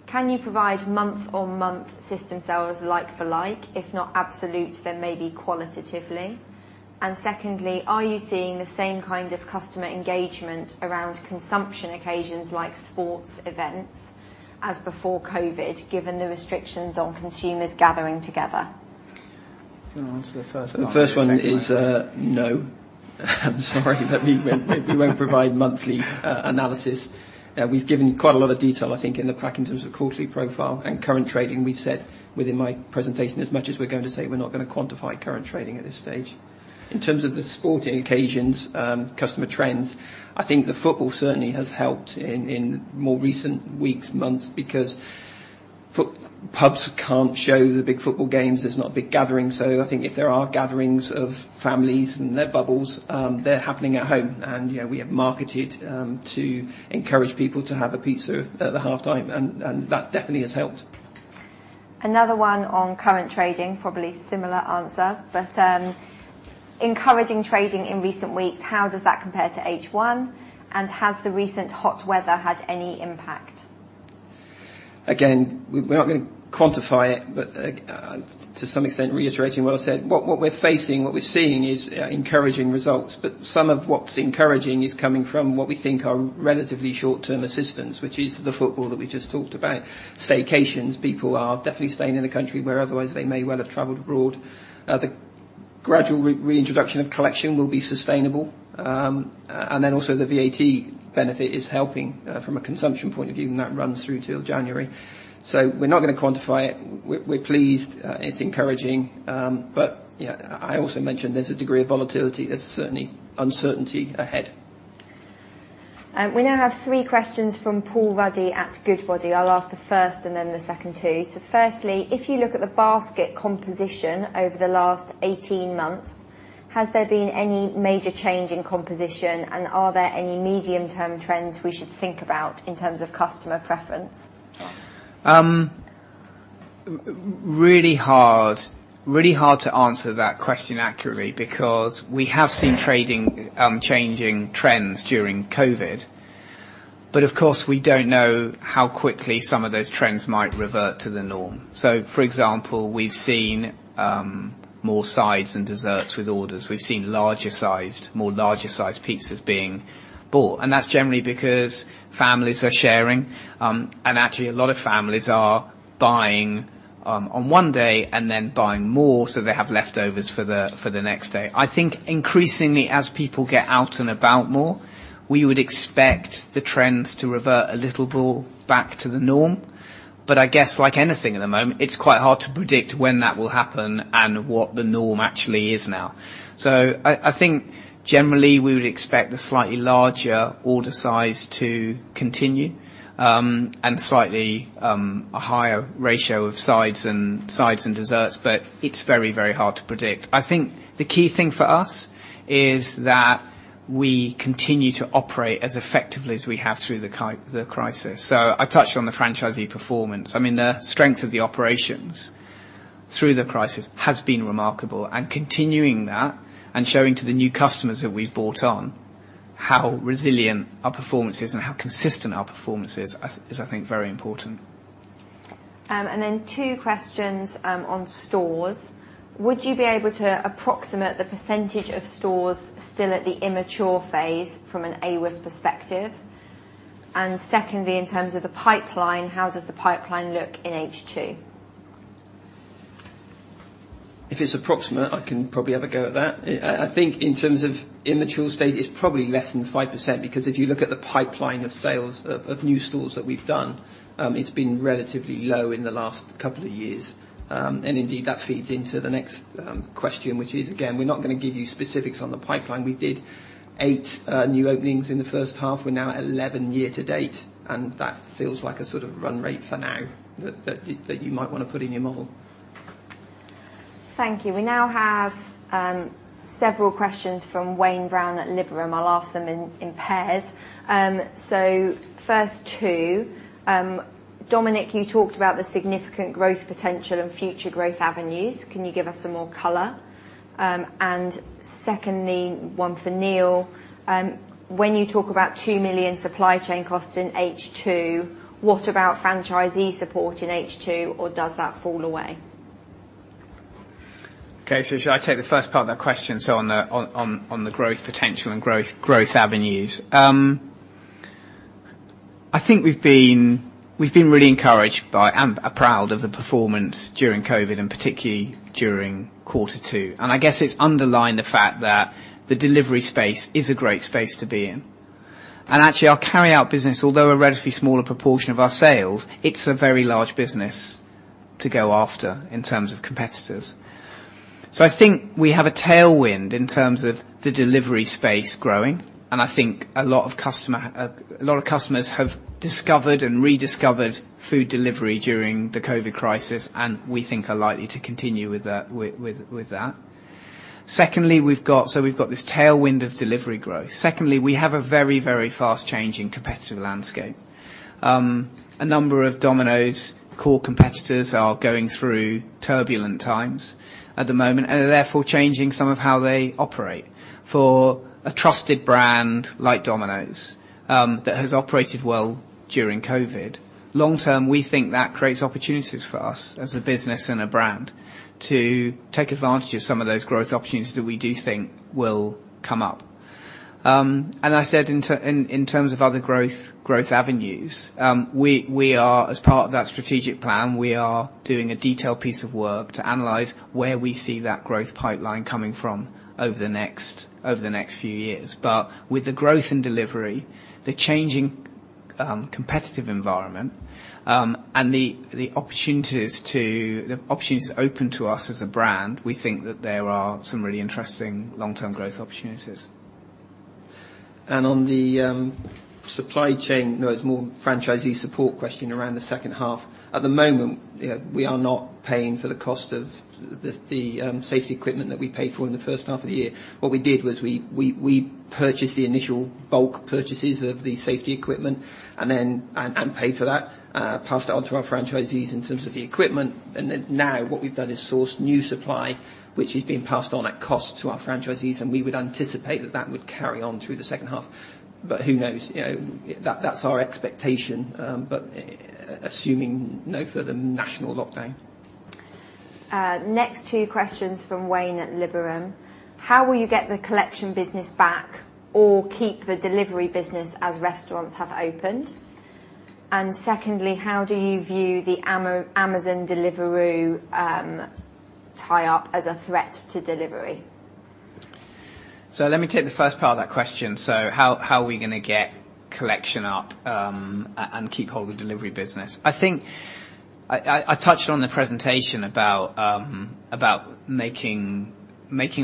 Can you provide month-on-month system sales like-for-like? If not absolute, then maybe qualitatively. And secondly, are you seeing the same kind of customer engagement around consumption occasions like sports events as before COVID, given the restrictions on consumers gathering together? Can I answer the first? The first one is no. I'm sorry. We won't provide monthly analysis. We've given quite a lot of detail, I think, in the pack in terms of quarterly profile and current trading. We've said within my presentation as much as we're going to say, we're not going to quantify current trading at this stage. In terms of the sporting occasions, customer trends, I think the football certainly has helped in more recent weeks, months, because pubs can't show the big football games. There's not a big gathering. So I think if there are gatherings of families and their bubbles, they're happening at home. And we have marketed to encourage people to have a pizza at the halftime, and that definitely has helped. Another one on current trading, probably similar answer, but encouraging trading in recent weeks, how does that compare to H1? And has the recent hot weather had any impact? Again, we're not going to quantify it, but to some extent, reiterating what I said, what we're facing, what we're seeing is encouraging results. But some of what's encouraging is coming from what we think are relatively short-term assistance, which is the football that we just talked about. Staycations, people are definitely staying in the country where otherwise they may well have traveled abroad. The gradual reintroduction of collection will be sustainable. And then also the VAT benefit is helping from a consumption point of view, and that runs through till January. So we're not going to quantify it. We're pleased. It's encouraging. But I also mentioned there's a degree of volatility. There's certainly uncertainty ahead. We now have three questions from Paul Ruddy at Goodbody. I'll ask the first and then the second two. So firstly, if you look at the basket composition over the last 18 months, has there been any major change in composition, and are there any medium-term trends we should think about in terms of customer preference? Really hard to answer that question accurately because we have seen trading changing trends during COVID. But of course, we don't know how quickly some of those trends might revert to the norm. So for example, we've seen more sides and desserts with orders. We've seen more larger-sized pizzas being bought. And that's generally because families are sharing. And actually, a lot of families are buying on one day and then buying more so they have leftovers for the next day. I think increasingly, as people get out and about more, we would expect the trends to revert a little bit back to the norm. But I guess, like anything at the moment, it's quite hard to predict when that will happen and what the norm actually is now. So I think generally we would expect the slightly larger order size to continue and slightly higher ratio of sides and desserts, but it's very, very hard to predict. I think the key thing for us is that we continue to operate as effectively as we have through the crisis, so I touched on the franchisee performance. I mean, the strength of the operations through the crisis has been remarkable, and continuing that and showing to the new customers that we've brought on how resilient our performance is and how consistent our performance is is, I think, very important. And then two questions on stores. Would you be able to approximate the percentage of stores still at the immature phase from an AWS perspective? And secondly, in terms of the pipeline, how does the pipeline look in H2? If it's approximate, I can probably have a go at that. I think in terms of immature stage, it's probably less than 5% because if you look at the pipeline of new stores that we've done, it's been relatively low in the last couple of years. And indeed, that feeds into the next question, which is, again, we're not going to give you specifics on the pipeline. We did eight new openings in the first half. We're now at 11 year-to-date. And that feels like a sort of run rate for now that you might want to put in your model. Thank you. We now have several questions from Wayne Brown at Liberum. I'll ask them in pairs. So first two. Dominic, you talked about the significant growth potential and future growth avenues. Can you give us some more color? And secondly, one for Neil. When you talk about 2 million supply chain costs in H2, what about franchisee support in H2, or does that fall away? Okay. So should I take the first part of that question? So on the growth potential and growth avenues, I think we've been really encouraged by and proud of the performance during COVID and particularly during quarter two. And I guess it's underlined the fact that the delivery space is a great space to be in. And actually, our carry-out business, although a relatively smaller proportion of our sales, it's a very large business to go after in terms of competitors. So I think we have a tailwind in terms of the delivery space growing. And I think a lot of customers have discovered and rediscovered food delivery during the COVID crisis, and we think are likely to continue with that. Secondly, so we've got this tailwind of delivery growth. Secondly, we have a very, very fast-changing competitive landscape. A number of Domino's core competitors are going through turbulent times at the moment and are therefore changing some of how they operate. For a trusted brand like Domino's that has operated well during COVID, long-term, we think that creates opportunities for us as a business and a brand to take advantage of some of those growth opportunities that we do think will come up. And I said in terms of other growth avenues, as part of that strategic plan, we are doing a detailed piece of work to analyze where we see that growth pipeline coming from over the next few years. But with the growth in delivery, the changing competitive environment, and the opportunities open to us as a brand, we think that there are some really interesting long-term growth opportunities. And on the supply chain, there's more franchisee support question around the second half. At the moment, we are not paying for the cost of the safety equipment that we pay for in the first half of the year. What we did was we purchased the initial bulk purchases of the safety equipment and paid for that, passed it on to our franchisees in terms of the equipment. And now what we've done is sourced new supply, which is being passed on at cost to our franchisees, and we would anticipate that that would carry on through the second half. But who knows? That's our expectation, but assuming no further national lockdown. Next two questions from Wayne at Liberum. How will you get the collection business back or keep the delivery business as restaurants have opened? And secondly, how do you view the Amazon Deliveroo tie-up as a threat to delivery? Let me take the first part of that question. How are we going to get collection up and keep hold of the delivery business? I think I touched on the presentation about making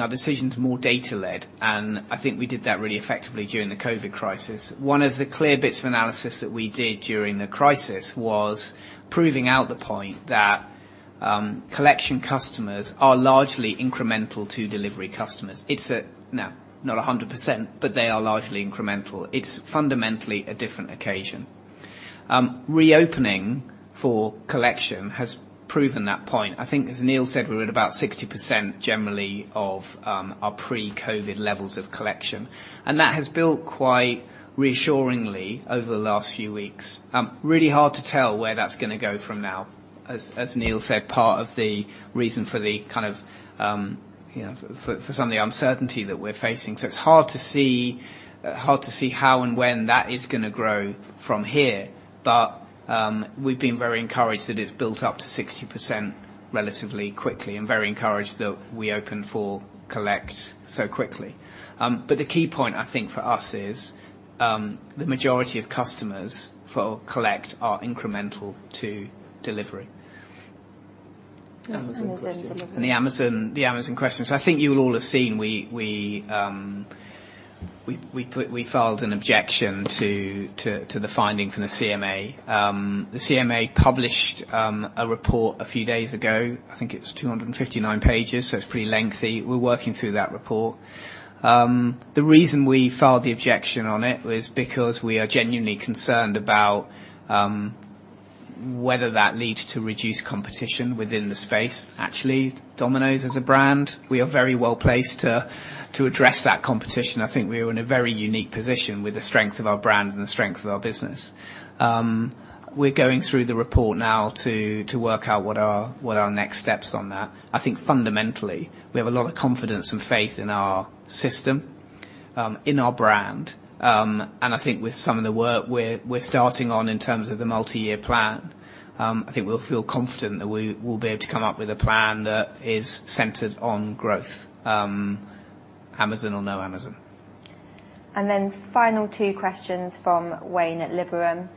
our decisions more data-led, and I think we did that really effectively during the COVID crisis. One of the clear bits of analysis that we did during the crisis was proving out the point that collection customers are largely incremental to delivery customers. It's not 100%, but they are largely incremental. It's fundamentally a different occasion. Reopening for collection has proven that point. I think, as Neil said, we're at about 60% generally of our pre-COVID levels of collection. That has built quite reassuringly over the last few weeks. Really hard to tell where that's going to go from now, as Neil said, part of the reason for the kind of, for some of the uncertainty that we're facing. So it's hard to see how and when that is going to grow from here, but we've been very encouraged that it's built up to 60% relatively quickly and very encouraged that we open for collect so quickly. But the key point, I think, for us is the majority of customers for collect are incremental to delivery. Amazon Deliveroo. And the Amazon question. So I think you'll all have seen we filed an objection to the finding from the CMA. The CMA published a report a few days ago. I think it's 259 pages, so it's pretty lengthy. We're working through that report. The reason we filed the objection on it was because we are genuinely concerned about whether that leads to reduced competition within the space. Actually, Domino's Pizza Group's as a brand, we are very well placed to address that competition. I think we are in a very unique position with the strength of our brand and the strength of our business. We're going through the report now to work out what our next steps on that. I think fundamentally, we have a lot of confidence and faith in our system, in our brand. I think with some of the work we're starting on in terms of the multi-year plan, I think we'll feel confident that we'll be able to come up with a plan that is centered on growth, Amazon or no Amazon. And then final two questions from Wayne at Liberum.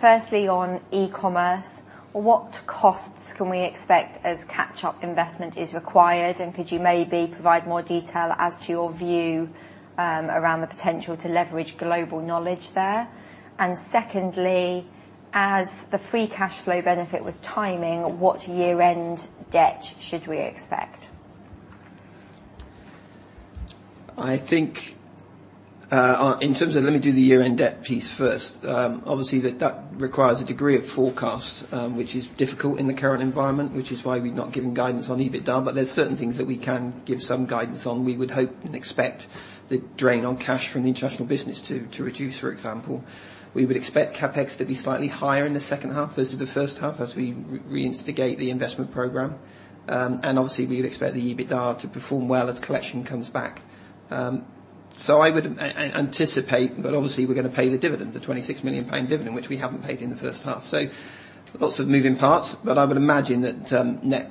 Firstly, on e-commerce, what costs can we expect as catch-up investment is required? And could you maybe provide more detail as to your view around the potential to leverage global knowledge there? And secondly, as the free cash flow benefit was timing, what year-end debt should we expect? I think in terms of, let me do the year-end debt piece first. Obviously, that requires a degree of forecast, which is difficult in the current environment, which is why we've not given guidance on EBITDA. But there's certain things that we can give some guidance on. We would hope and expect the drain on cash from the international business to reduce, for example. We would expect CapEx to be slightly higher in the second half versus the first half as we reinstigate the investment program. And obviously, we would expect the EBITDA to perform well as collection comes back. So I would anticipate, but obviously, we're going to pay the dividend, the 26 million pound dividend, which we haven't paid in the first half. So lots of moving parts, but I would imagine that net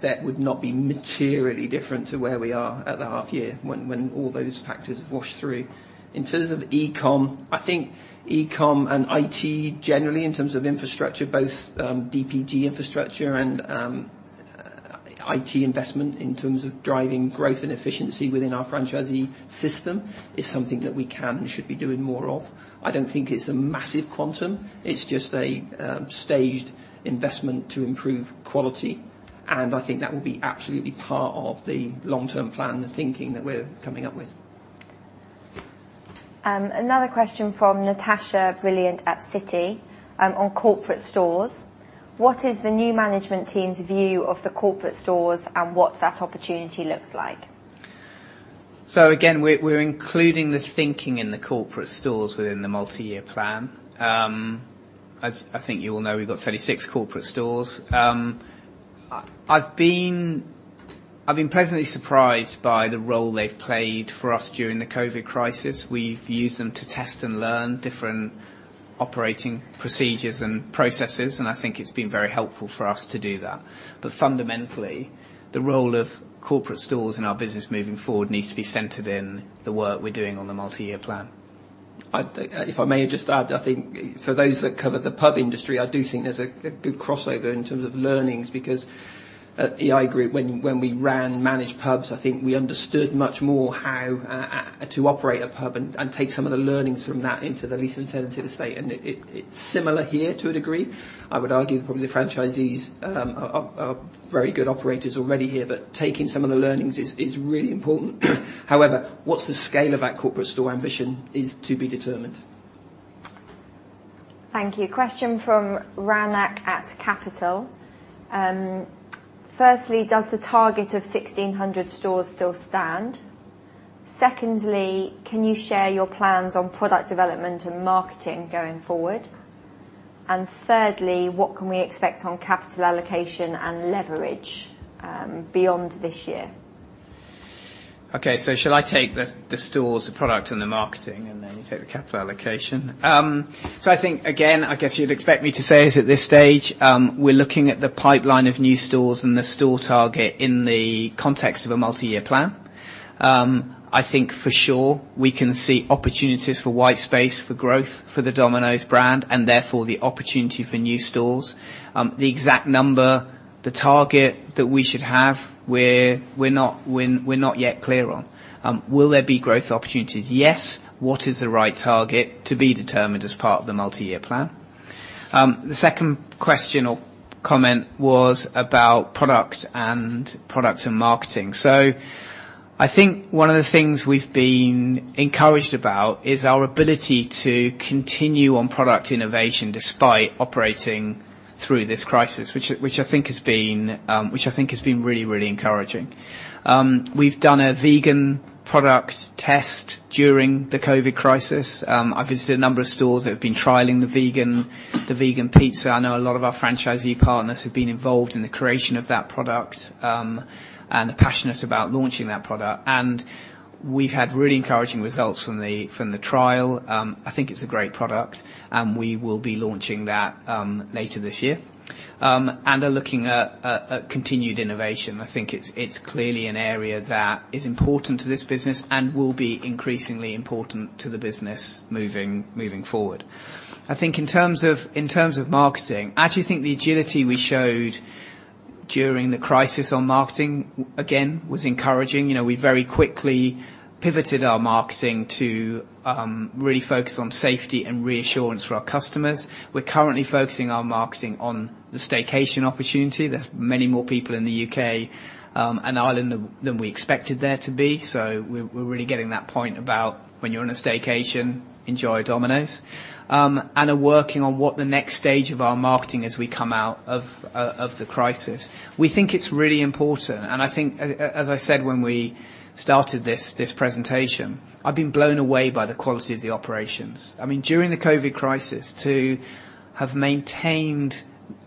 debt would not be materially different to where we are at the half year when all those factors have washed through. In terms of e-com, I think e-com and IT generally in terms of infrastructure, both Domino Pizza Group infrastructure and IT investment in terms of driving growth and efficiency within our franchisee system is something that we can and should be doing more of. I don't think it's a massive quantum. It's just a staged investment to improve quality. And I think that will be absolutely part of the long-term plan, the thinking that we're coming up with. Another question from Natasha Brilliant at Citi on corporate stores. What is the new management team's view of the corporate stores and what that opportunity looks like? So again, we're including the thinking in the corporate stores within the multi-year plan. I think you all know we've got 36 corporate stores. I've been pleasantly surprised by the role they've played for us during the COVID crisis. We've used them to test and learn different operating procedures and processes, and I think it's been very helpful for us to do that. But fundamentally, the role of corporate stores in our business moving forward needs to be centered in the work we're doing on the multi-year plan. If I may just add, I think for those that cover the pub industry, I do think there's a good crossover in terms of learnings because at Ei Group, when we ran managed pubs, I think we understood much more how to operate a pub and take some of the learnings from that into the lease and tenanted estate. And it's similar here to a degree. I would argue that probably the franchisees are very good operators already here, but taking some of the learnings is really important. However, what's the scale of that corporate store ambition is to be determined. Thank you. Question from Ranak at Capital. Firstly, does the target of 1,600 stores still stand? Secondly, can you share your plans on product development and marketing going forward? And thirdly, what can we expect on capital allocation and leverage beyond this year? Okay. So shall I take the stores, the product, and the marketing, and then you take the capital allocation? So I think, again, I guess you'd expect me to say it at this stage. We're looking at the pipeline of new stores and the store target in the context of a multi-year plan. I think for sure we can see opportunities for white space for growth for the Domino's Pizza Group brand and therefore the opportunity for new stores. The exact number, the target that we should have, we're not yet clear on. Will there be growth opportunities? Yes. What is the right target to be determined as part of the multi-year plan? The second question or comment was about product and marketing. I think one of the things we've been encouraged about is our ability to continue on product innovation despite operating through this crisis, which I think has been really, really encouraging. We've done a vegan product test during the COVID crisis. I visited a number of stores that have been trialing the vegan pizza. I know a lot of our franchisee partners have been involved in the creation of that product and are passionate about launching that product. We've had really encouraging results from the trial. I think it's a great product, and we will be launching that later this year. We are looking at continued innovation. I think it's clearly an area that is important to this business and will be increasingly important to the business moving forward. I think in terms of marketing, I actually think the agility we showed during the crisis on marketing, again, was encouraging. We very quickly pivoted our marketing to really focus on safety and reassurance for our customers. We're currently focusing our marketing on the staycation opportunity. There's many more people in the U.K. and Ireland than we expected there to be. So we're really getting that point about when you're on a staycation, enjoy Domino's Pizza Group's, and are working on what the next stage of our marketing is as we come out of the crisis. We think it's really important, and I think, as I said when we started this presentation, I've been blown away by the quality of the operations. I mean, during the COVID crisis, to have maintained,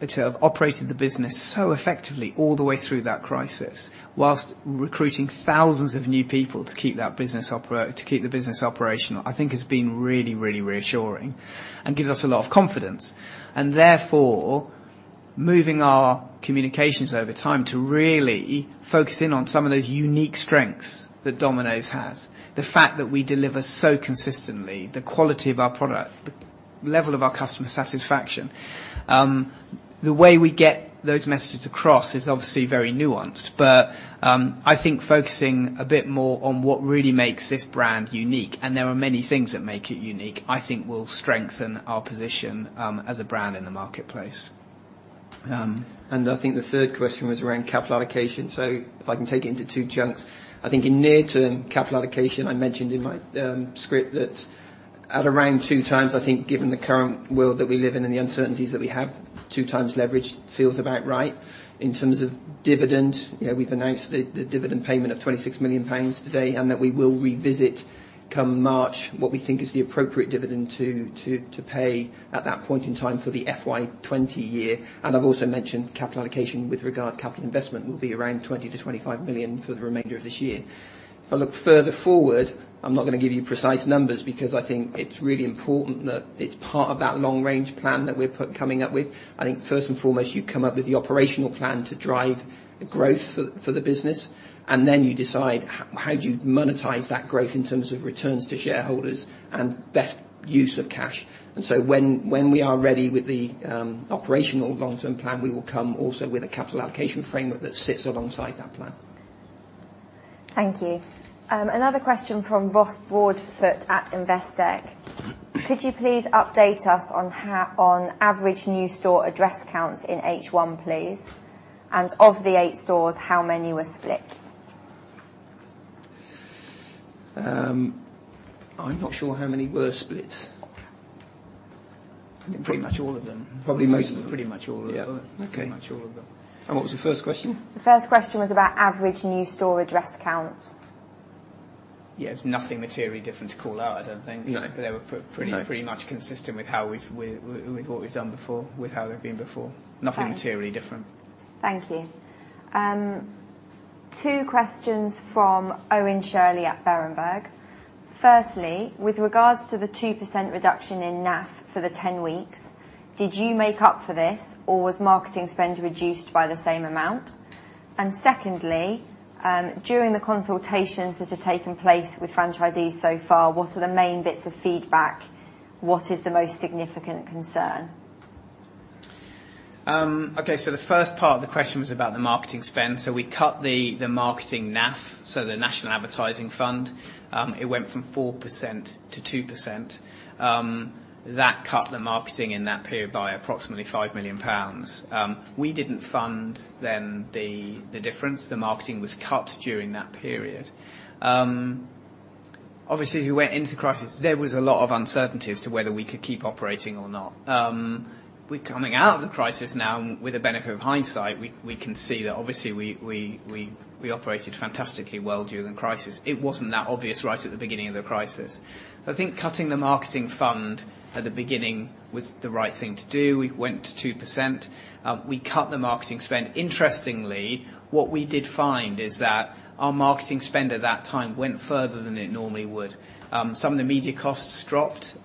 to have operated the business so effectively all the way through that crisis while recruiting thousands of new people to keep that business operating to keep the business operational, I think has been really, really reassuring and gives us a lot of confidence. And therefore, moving our communications over time to really focus in on some of those unique strengths that Domino's Pizza Group has, the fact that we deliver so consistently, the quality of our product, the level of our customer satisfaction, the way we get those messages across is obviously very nuanced. But I think focusing a bit more on what really makes this brand unique, and there are many things that make it unique, I think will strengthen our position as a brand in the marketplace. I think the third question was around capital allocation. If I can take it into two chunks, I think in near-term capital allocation, I mentioned in my script that at around two times, I think given the current world that we live in and the uncertainties that we have, two times leverage feels about right. In terms of dividend, we've announced the dividend payment of 26 million pounds today and that we will revisit come March what we think is the appropriate dividend to pay at that point in time for the FY 2020 year. I've also mentioned capital allocation with regard to capital investment will be around 20 million-25 million for the remainder of this year. If I look further forward, I'm not going to give you precise numbers because I think it's really important that it's part of that long-range plan that we're coming up with. I think first and foremost, you come up with the operational plan to drive growth for the business, and then you decide how do you monetize that growth in terms of returns to shareholders and best use of cash, and so when we are ready with the operational long-term plan, we will come also with a capital allocation framework that sits alongside that plan. Thank you. Another question from Ross Broadfoot at Investec. Could you please update us on average new store address counts in H1, please? And of the eight stores, how many were split? I'm not sure how many were split. I think pretty much all of them. Probably most of them. Pretty much all of them. Yeah. Pretty much all of them. What was the first question? The first question was about average new store address counts. Yeah. There's nothing materially different to call out, I don't think. No. But they were pretty much consistent with what we've done before with how they've been before. Nothing materially different. Thank you. Two questions from Owen Shirley at Berenberg. Firstly, with regards to the 2% reduction in NAF for the 10 weeks, did you make up for this or was marketing spend reduced by the same amount? And secondly, during the consultations that have taken place with franchisees so far, what are the main bits of feedback? What is the most significant concern? Okay. So the first part of the question was about the marketing spend. So we cut the marketing NAF, so the National Advertising Fund. It went from 4% to 2%. That cut the marketing in that period by approximately 5 million pounds. We didn't fund then the difference. The marketing was cut during that period. Obviously, as we went into the crisis, there was a lot of uncertainty as to whether we could keep operating or not. We're coming out of the crisis now, and with the benefit of hindsight, we can see that obviously we operated fantastically well during the crisis. It wasn't that obvious right at the beginning of the crisis. So I think cutting the marketing fund at the beginning was the right thing to do. We went to 2%. We cut the marketing spend. Interestingly, what we did find is that our marketing spend at that time went further than it normally would. Some of the media costs dropped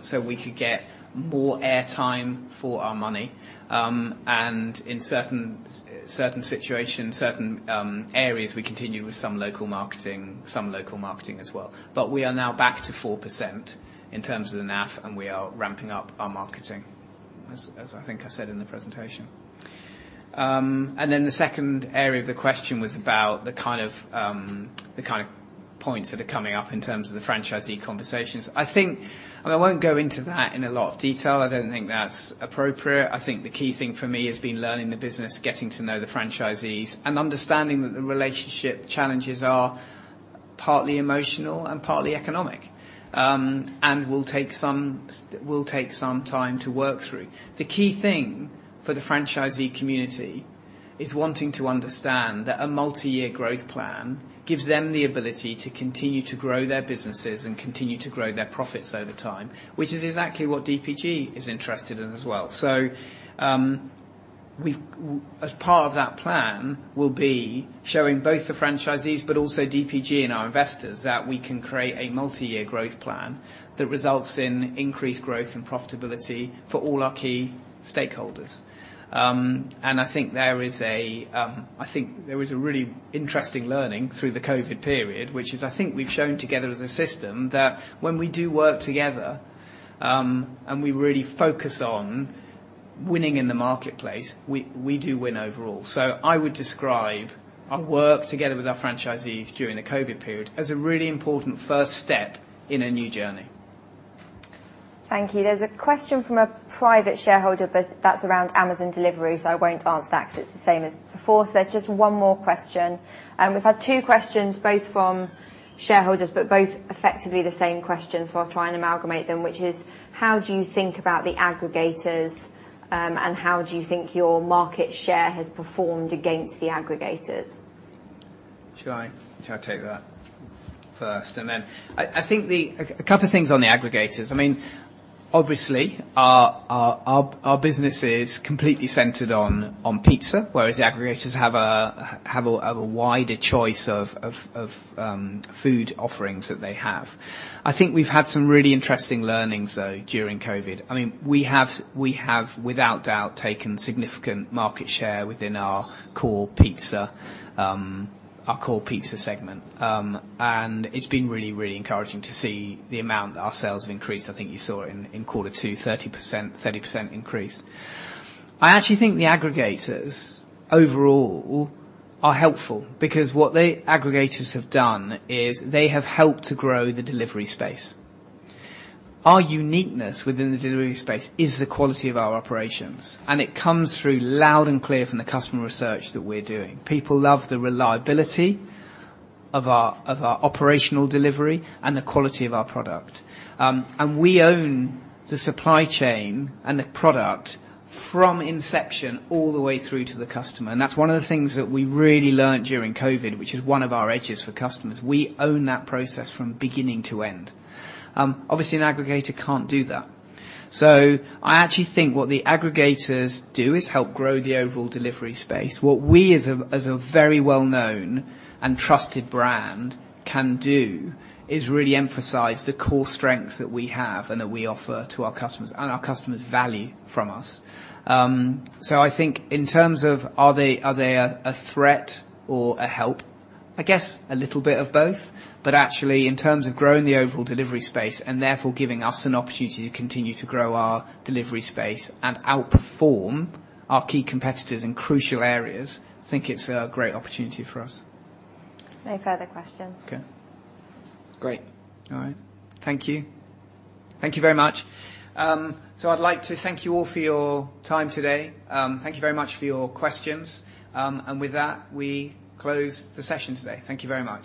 so we could get more airtime for our money, and in certain situations, certain areas, we continued with some local marketing, some local marketing as well, but we are now back to 4% in terms of the NAF, and we are ramping up our marketing, as I think I said in the presentation, and then the second area of the question was about the kind of points that are coming up in terms of the franchisee conversations. I mean, I won't go into that in a lot of detail. I don't think that's appropriate. I think the key thing for me has been learning the business, getting to know the franchisees, and understanding that the relationship challenges are partly emotional and partly economic and will take some time to work through. The key thing for the franchisee community is wanting to understand that a multi-year growth plan gives them the ability to continue to grow their businesses and continue to grow their profits over time, which is exactly what Domino Pizza Group is interested in as well. So as part of that plan, we'll be showing both the franchisees but also Domino Pizza Group and our investors that we can create a multi-year growth plan that results in increased growth and profitability for all our key stakeholders. I think there is a really interesting learning through the COVID period, which is I think we've shown together as a system that when we do work together and we really focus on winning in the marketplace, we do win overall. So I would describe our work together with our franchisees during the COVID period as a really important first step in a new journey. Thank you. There's a question from a private shareholder, but that's around Amazon delivery, so I won't answer that because it's the same as before. So there's just one more question. We've had two questions, both from shareholders, but both effectively the same questions, so I'll try and amalgamate them, which is, how do you think about the aggregators, and how do you think your market share has performed against the aggregators? Shall I take that first, and then I think a couple of things on the aggregators. I mean, obviously, our business is completely centered on pizza, whereas the aggregators have a wider choice of food offerings that they have. I think we've had some really interesting learnings, though, during COVID. I mean, we have, without doubt, taken significant market share within our core pizza segment. And it's been really, really encouraging to see the amount that our sales have increased. I think you saw it in quarter two, 30% increase. I actually think the aggregators overall are helpful because what the aggregators have done is they have helped to grow the delivery space. Our uniqueness within the delivery space is the quality of our operations. And it comes through loud and clear from the customer research that we're doing. People love the reliability of our operational delivery and the quality of our product. And we own the supply chain and the product from inception all the way through to the customer. And that's one of the things that we really learned during COVID, which is one of our edges for customers. We own that process from beginning to end. Obviously, an aggregator can't do that. So I actually think what the aggregators do is help grow the overall delivery space. What we, as a very well-known and trusted brand, can do is really emphasize the core strengths that we have and that we offer to our customers, and our customers value from us. So, I think in terms of are they a threat or a help, I guess a little bit of both, but actually in terms of growing the overall delivery space and therefore giving us an opportunity to continue to grow our delivery space and outperform our key competitors in crucial areas, I think it's a great opportunity for us. No further questions. Okay. Great. All right. Thank you. Thank you very much. So I'd like to thank you all for your time today. Thank you very much for your questions, and with that, we close the session today. Thank you very much.